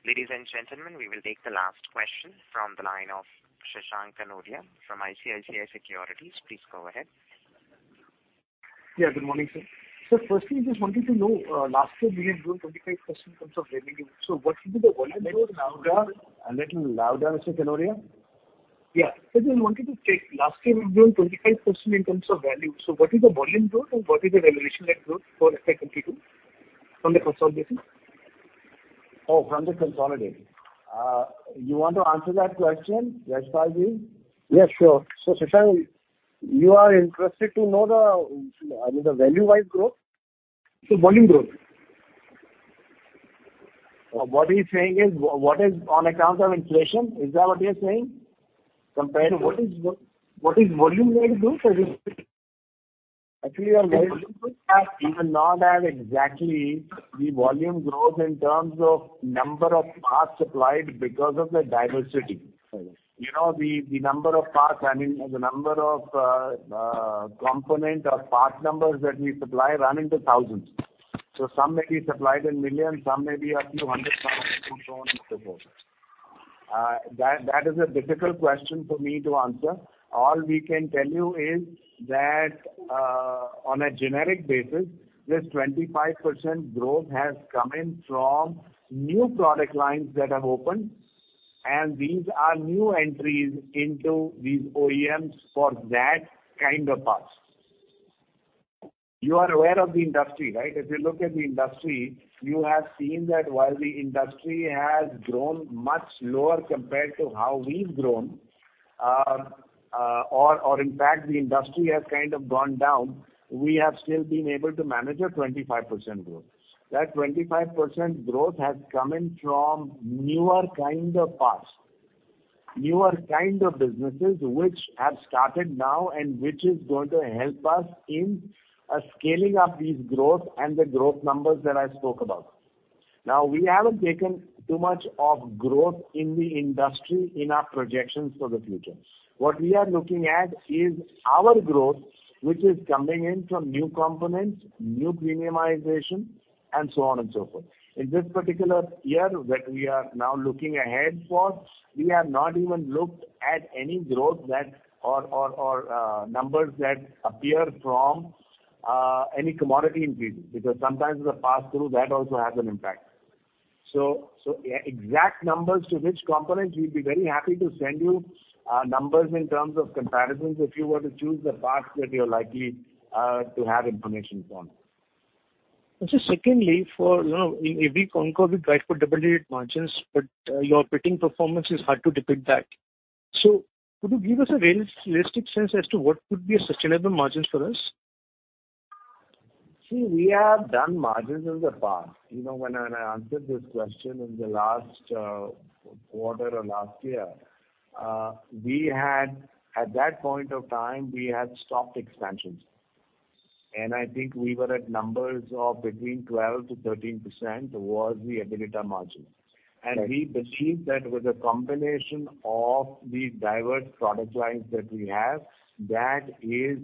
Ladies and gentlemen, we will take the last question from the line of Shashank Kanodia from ICICI Securities. Please go ahead. Yeah. Good morning, sir. Sir, firstly, I just wanted to know, last year we had grown 25% in terms of revenue. What should be the volume growth now that- A little louder, Mr. Kanodia. Yeah. Just wanted to check. Last year we grew 25% in terms of value. What is the volume growth and what is the revenue share growth for fiscal 22 from the consolidation? Oh, from the consolidated. You want to answer that question, Yashpalji? Yeah, sure. Shashank, you are interested to know the value-wise growth? The volume growth. What he's saying is, what is on account of inflation? Is that what you're saying? Compared to what is volume rate growth? Actually, we are very bullish that we will not have exactly the volume growth in terms of number of parts supplied because of the diversity. Okay. You know, the number of parts, I mean, the number of component or part numbers that we supply run into thousands. Some may be supplied in millions, some may be a few hundred thousand, so on and so forth. That is a difficult question for me to answer. All we can tell you is that on a generic basis, this 25% growth has come in from new product lines that have opened, and these are new entries into these OEMs for that kind of parts. You are aware of the industry, right? If you look at the industry, you have seen that while the industry has grown much lower compared to how we've grown, or in fact, the industry has kind of gone down, we have still been able to manage a 25% growth. That 25% growth has come in from newer kind of parts, newer kind of businesses which have started now and which is going to help us in scaling up this growth and the growth numbers that I spoke about. Now, we haven't taken too much of growth in the industry in our projections for the future. What we are looking at is our growth, which is coming in from new components, new premiumization, and so on and so forth. In this particular year that we are now looking ahead for, we have not even looked at any growth or numbers that appear from any commodity increase, because sometimes the pass-through that also has an impact. Exact numbers to which components, we'll be very happy to send you numbers in terms of comparisons if you were to choose the parts that you're likely to have information from. Secondly, for, you know, every quarter we try for double-digit margins, but your operating performance is hard to reflect that. Could you give us a realistic sense as to what could be a sustainable margins for us? See, we have done margins in the past. You know, when I answered this question in the last quarter or last year, we had. At that point of time, we had stopped expansions. I think we were at numbers of between 12%-13% towards the EBITDA margin. Right. We believe that with a combination of the diverse product lines that we have, that is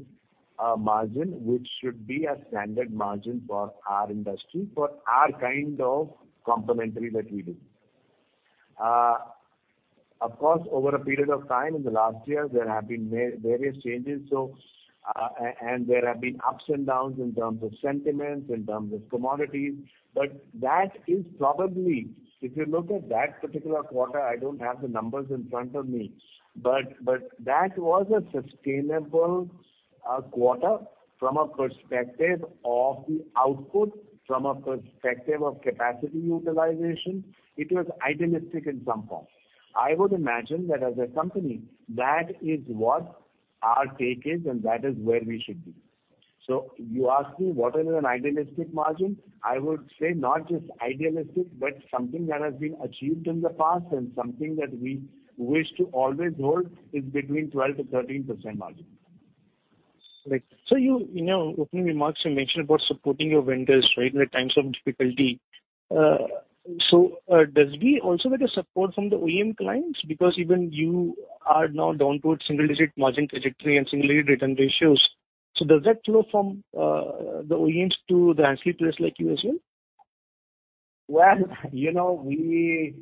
a margin which should be a standard margin for our industry, for our kind of components that we do. Of course, over a period of time in the last year, there have been various changes, and there have been ups and downs in terms of sentiments, in terms of commodities. That is probably, if you look at that particular quarter, I don't have the numbers in front of me, but that was a sustainable quarter from a perspective of the output, from a perspective of capacity utilization. It was ideal in some form. I would imagine that as a company, that is what our take is and that is where we should be. So you ask me what is an ideal margin. I would say not just ideal, but something that has been achieved in the past and something that we wish to always hold, is between 12%-13%. Right. You know, in the opening remarks you mentioned about supporting your vendors, right, in the times of difficulty. Do we also get support from the OEM clients? Because even you are now down towards single-digit margin trajectory and single-digit return ratios. Does that flow from the OEMs to the ancillary players like you as well? Well, you know, we,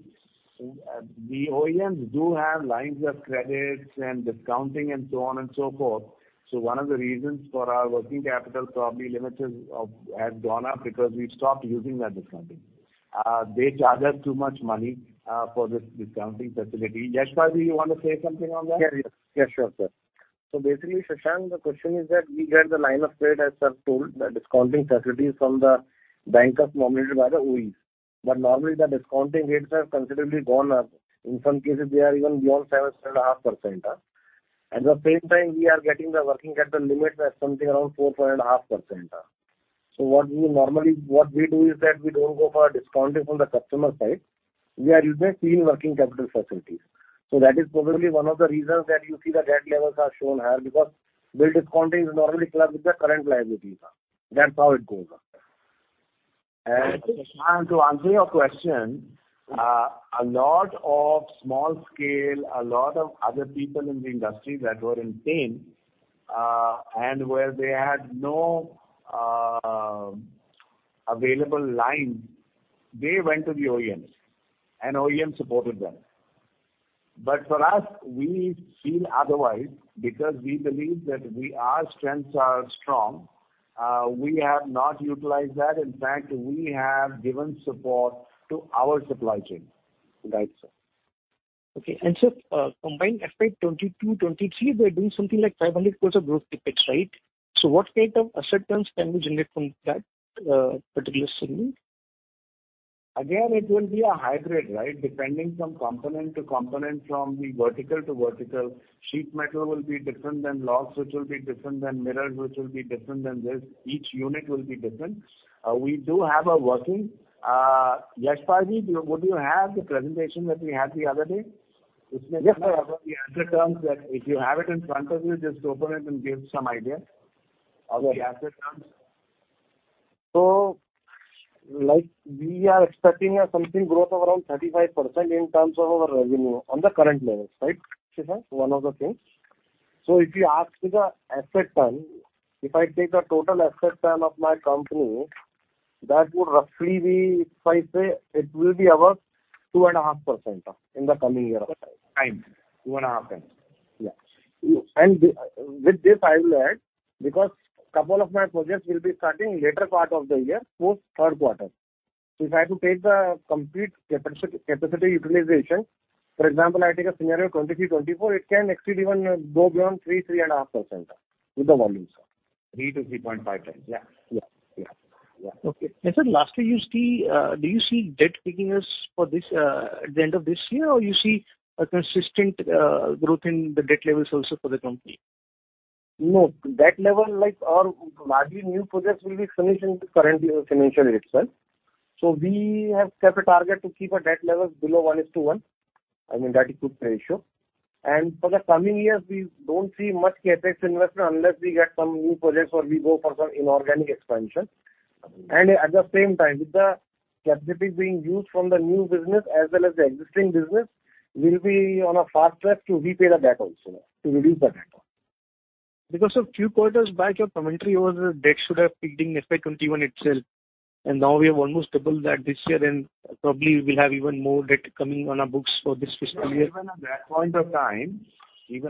the OEMs do have lines of credit and discounting and so on and so forth. One of the reasons for our working capital probably limits have gone up because we've stopped using that discounting. They charge us too much money for this discounting facility. Yashpal Jain, you want to say something on that? Yeah, yes. Yeah, sure, sir. Basically, Shashank, the question is that we get the line of credit, as sir told, the discounting facilities from the bankers nominated by the OEMs. Normally the discounting rates have considerably gone up. In some cases, they are even beyond 7.5%. At the same time, we are getting the working capital limits at something around 4.5%. What we do is that we don't go for discounting from the customer side. We are using clean working capital facilities. That is probably one of the reasons that you see the debt levels are shown high, because their discounting is normally clubbed with their current liabilities. That's how it goes. Shashank, to answer your question, a lot of small scale, a lot of other people in the industry that were in pain, and where they had no available line, they went to the OEMs, and OEMs supported them. For us, we feel otherwise because we believe that we, our strengths are strong. We have not utilized that. In fact, we have given support to our supply chain. Right, sir. Okay. Sir, combined FY 2022, 2023, we are doing something like 500 crores of gross tickets, right? What kind of asset turns can we generate from that particular series? Again, it will be a hybrid, right? Depending from component to component, from the vertical to vertical. Sheet metal will be different than logs, which will be different than mirrors, which will be different than this. Each unit will be different. We do have a working. Yashpalji, would you have the presentation that we had the other day? Yes, sir. Which may have the asset terms that, if you have it in front of you, just open it and give some idea of the asset terms. Like, we are expecting a strong growth of around 35% in terms of our revenue on the current levels, right? Okay. One of the things. If you ask me the asset turn, if I take the total asset turn of my company, that would roughly be, if I say, it will be about 2.5% in the coming year or so. Time. 2.5 times. With this, I will add, because couple of my projects will be starting later part of the year, post Q3. If I have to take the complete capacity utilization, for example, I take a scenario 23-24, it can exceed even, go beyond 3-3.5% with the volumes. 3-3.5x. Yeah. Yeah. Yeah. Yeah. Okay. Sir, lastly, you see, do you see debt peaking as for this at the end of this year, or you see a consistent growth in the debt levels also for the company? No. Debt level, like our largely new projects will be finished into current year financial itself. We have set a target to keep our debt levels below 1:1, I mean, that is good ratio. For the coming years, we don't see much CapEx investment unless we get some new projects or we go for some inorganic expansion. At the same time, with the capacities being used from the new business as well as the existing business, we'll be on a fast track to repay the debt also, to reduce the debt. Because a few quarters back, your commentary was that debt should have peaked in FY21 itself, and now we have almost doubled that this year and probably we'll have even more debt coming on our books for this fiscal year. Even at that point of time, we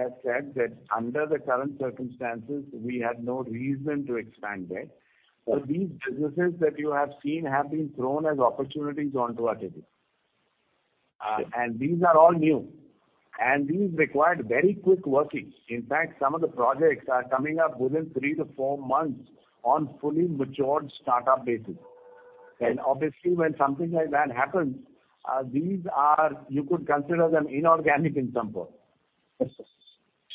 have said that under the current circumstances, we had no reason to expand debt. These businesses that you have seen have been thrown as opportunities onto our table. These are all new, and these required very quick working. In fact, some of the projects are coming up within 3-4 months on fully matured startup basis. Obviously, when something like that happens, you could consider them inorganic in some form. Yes, yes.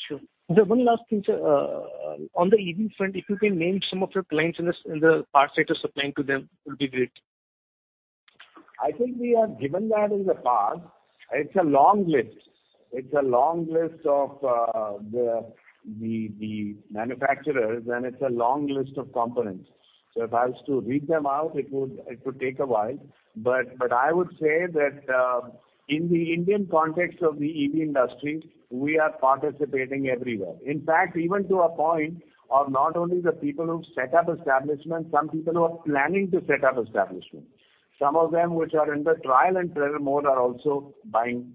Sure. There's one last thing, sir. On the EV front, if you can name some of your clients in this, in the power sector supplying to them, it would be great. I think we have given that in the past. It's a long list of the manufacturers, and it's a long list of components. If I was to read them out, it would take a while. I would say that in the Indian context of the EV industry, we are participating everywhere. In fact, even to a point of not only the people who've set up establishment, some people who are planning to set up establishment. Some of them which are in the trial and error mode are also buying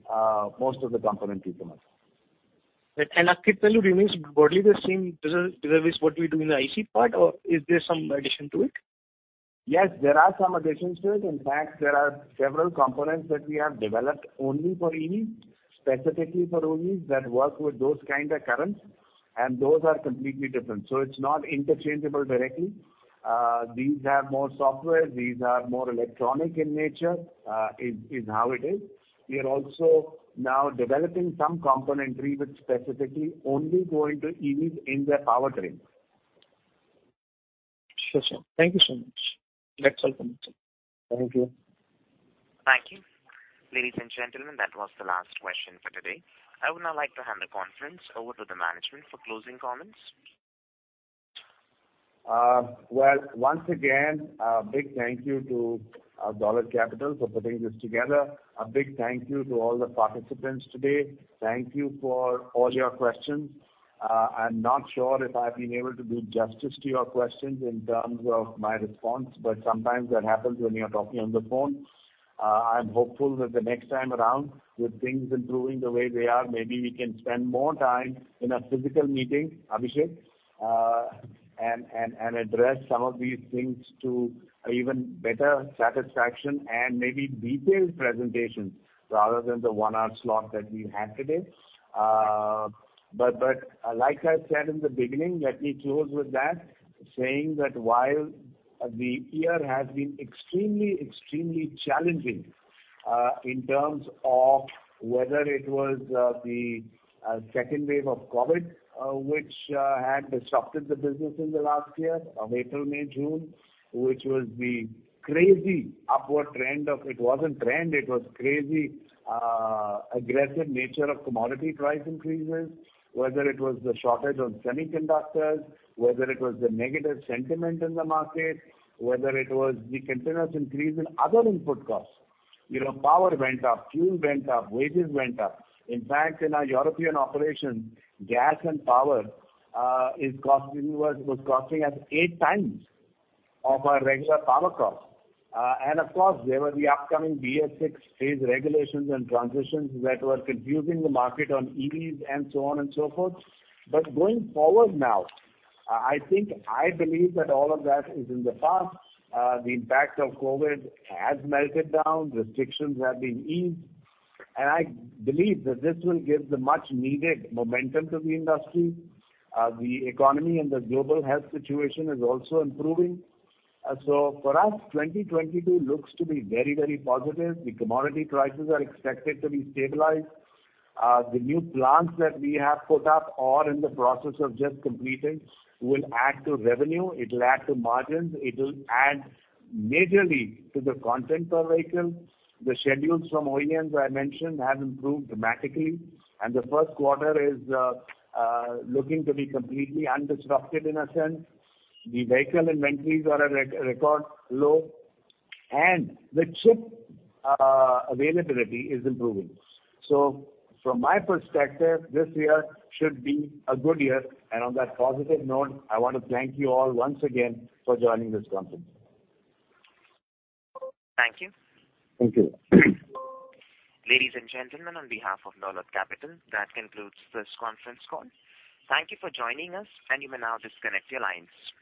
most of the componentry from us. Akrit, tell me, it remains broadly the same business what we do in the IC part, or is there some addition to it? Yes, there are some additions to it. In fact, there are several components that we have developed only for EVs, specifically for EVs, that work with those kind of currents, and those are completely different. It's not interchangeable directly. These have more software, these are more electronic in nature, is how it is. We are also now developing some componentry which specifically only going to EVs in their power trains. Sure, sir. Thank you so much. That's all from me, sir. Thank you. Thank you. Ladies and gentlemen, that was the last question for today. I would now like to hand the conference over to the management for closing comments. Well, once again, a big thank you to Dolat Capital for putting this together. A big thank you to all the participants today. Thank you for all your questions. I'm not sure if I've been able to do justice to your questions in terms of my response, but sometimes that happens when you're talking on the phone. I'm hopeful that the next time around, with things improving the way they are, maybe we can spend more time in a physical meeting, Abhishek, and address some of these things to even better satisfaction and maybe detailed presentations rather than the one-hour slot that we had today. Like I said in the beginning, let me close with that, saying that while the year has been extremely challenging, in terms of whether it was the second wave of COVID, which had disrupted the business in the last year of April, May, June, which was the crazy aggressive nature of commodity price increases. Whether it was the shortage of semiconductors, whether it was the negative sentiment in the market, whether it was the continuous increase in other input costs. You know, power went up, fuel went up, wages went up. In fact, in our European operations, gas and power was costing us 8 times of our regular power cost. Of course, there were the upcoming BS6 phase regulations and transitions that were confusing the market on EVs and so on and so forth. Going forward now, I think I believe that all of that is in the past. The impact of COVID has melted down, restrictions have been eased, and I believe that this will give the much needed momentum to the industry. The economy and the global health situation is also improving. For us, 2022 looks to be very, very positive. The commodity prices are expected to be stabilized. The new plants that we have put up or in the process of just completing will add to revenue, it'll add to margins, it'll add majorly to the content per vehicle. The schedules from OEMs, I mentioned, have improved dramatically, and the Q1 is looking to be completely undisrupted in a sense. The vehicle inventories are at record low, and the chip availability is improving. So from my perspective, this year should be a good year. On that positive note, I want to thank you all once again for joining this conference call. Thank you. Thank you. Ladies and gentlemen, on behalf of Dolat Capital, that concludes this conference call. Thank you for joining us, and you may now disconnect your lines.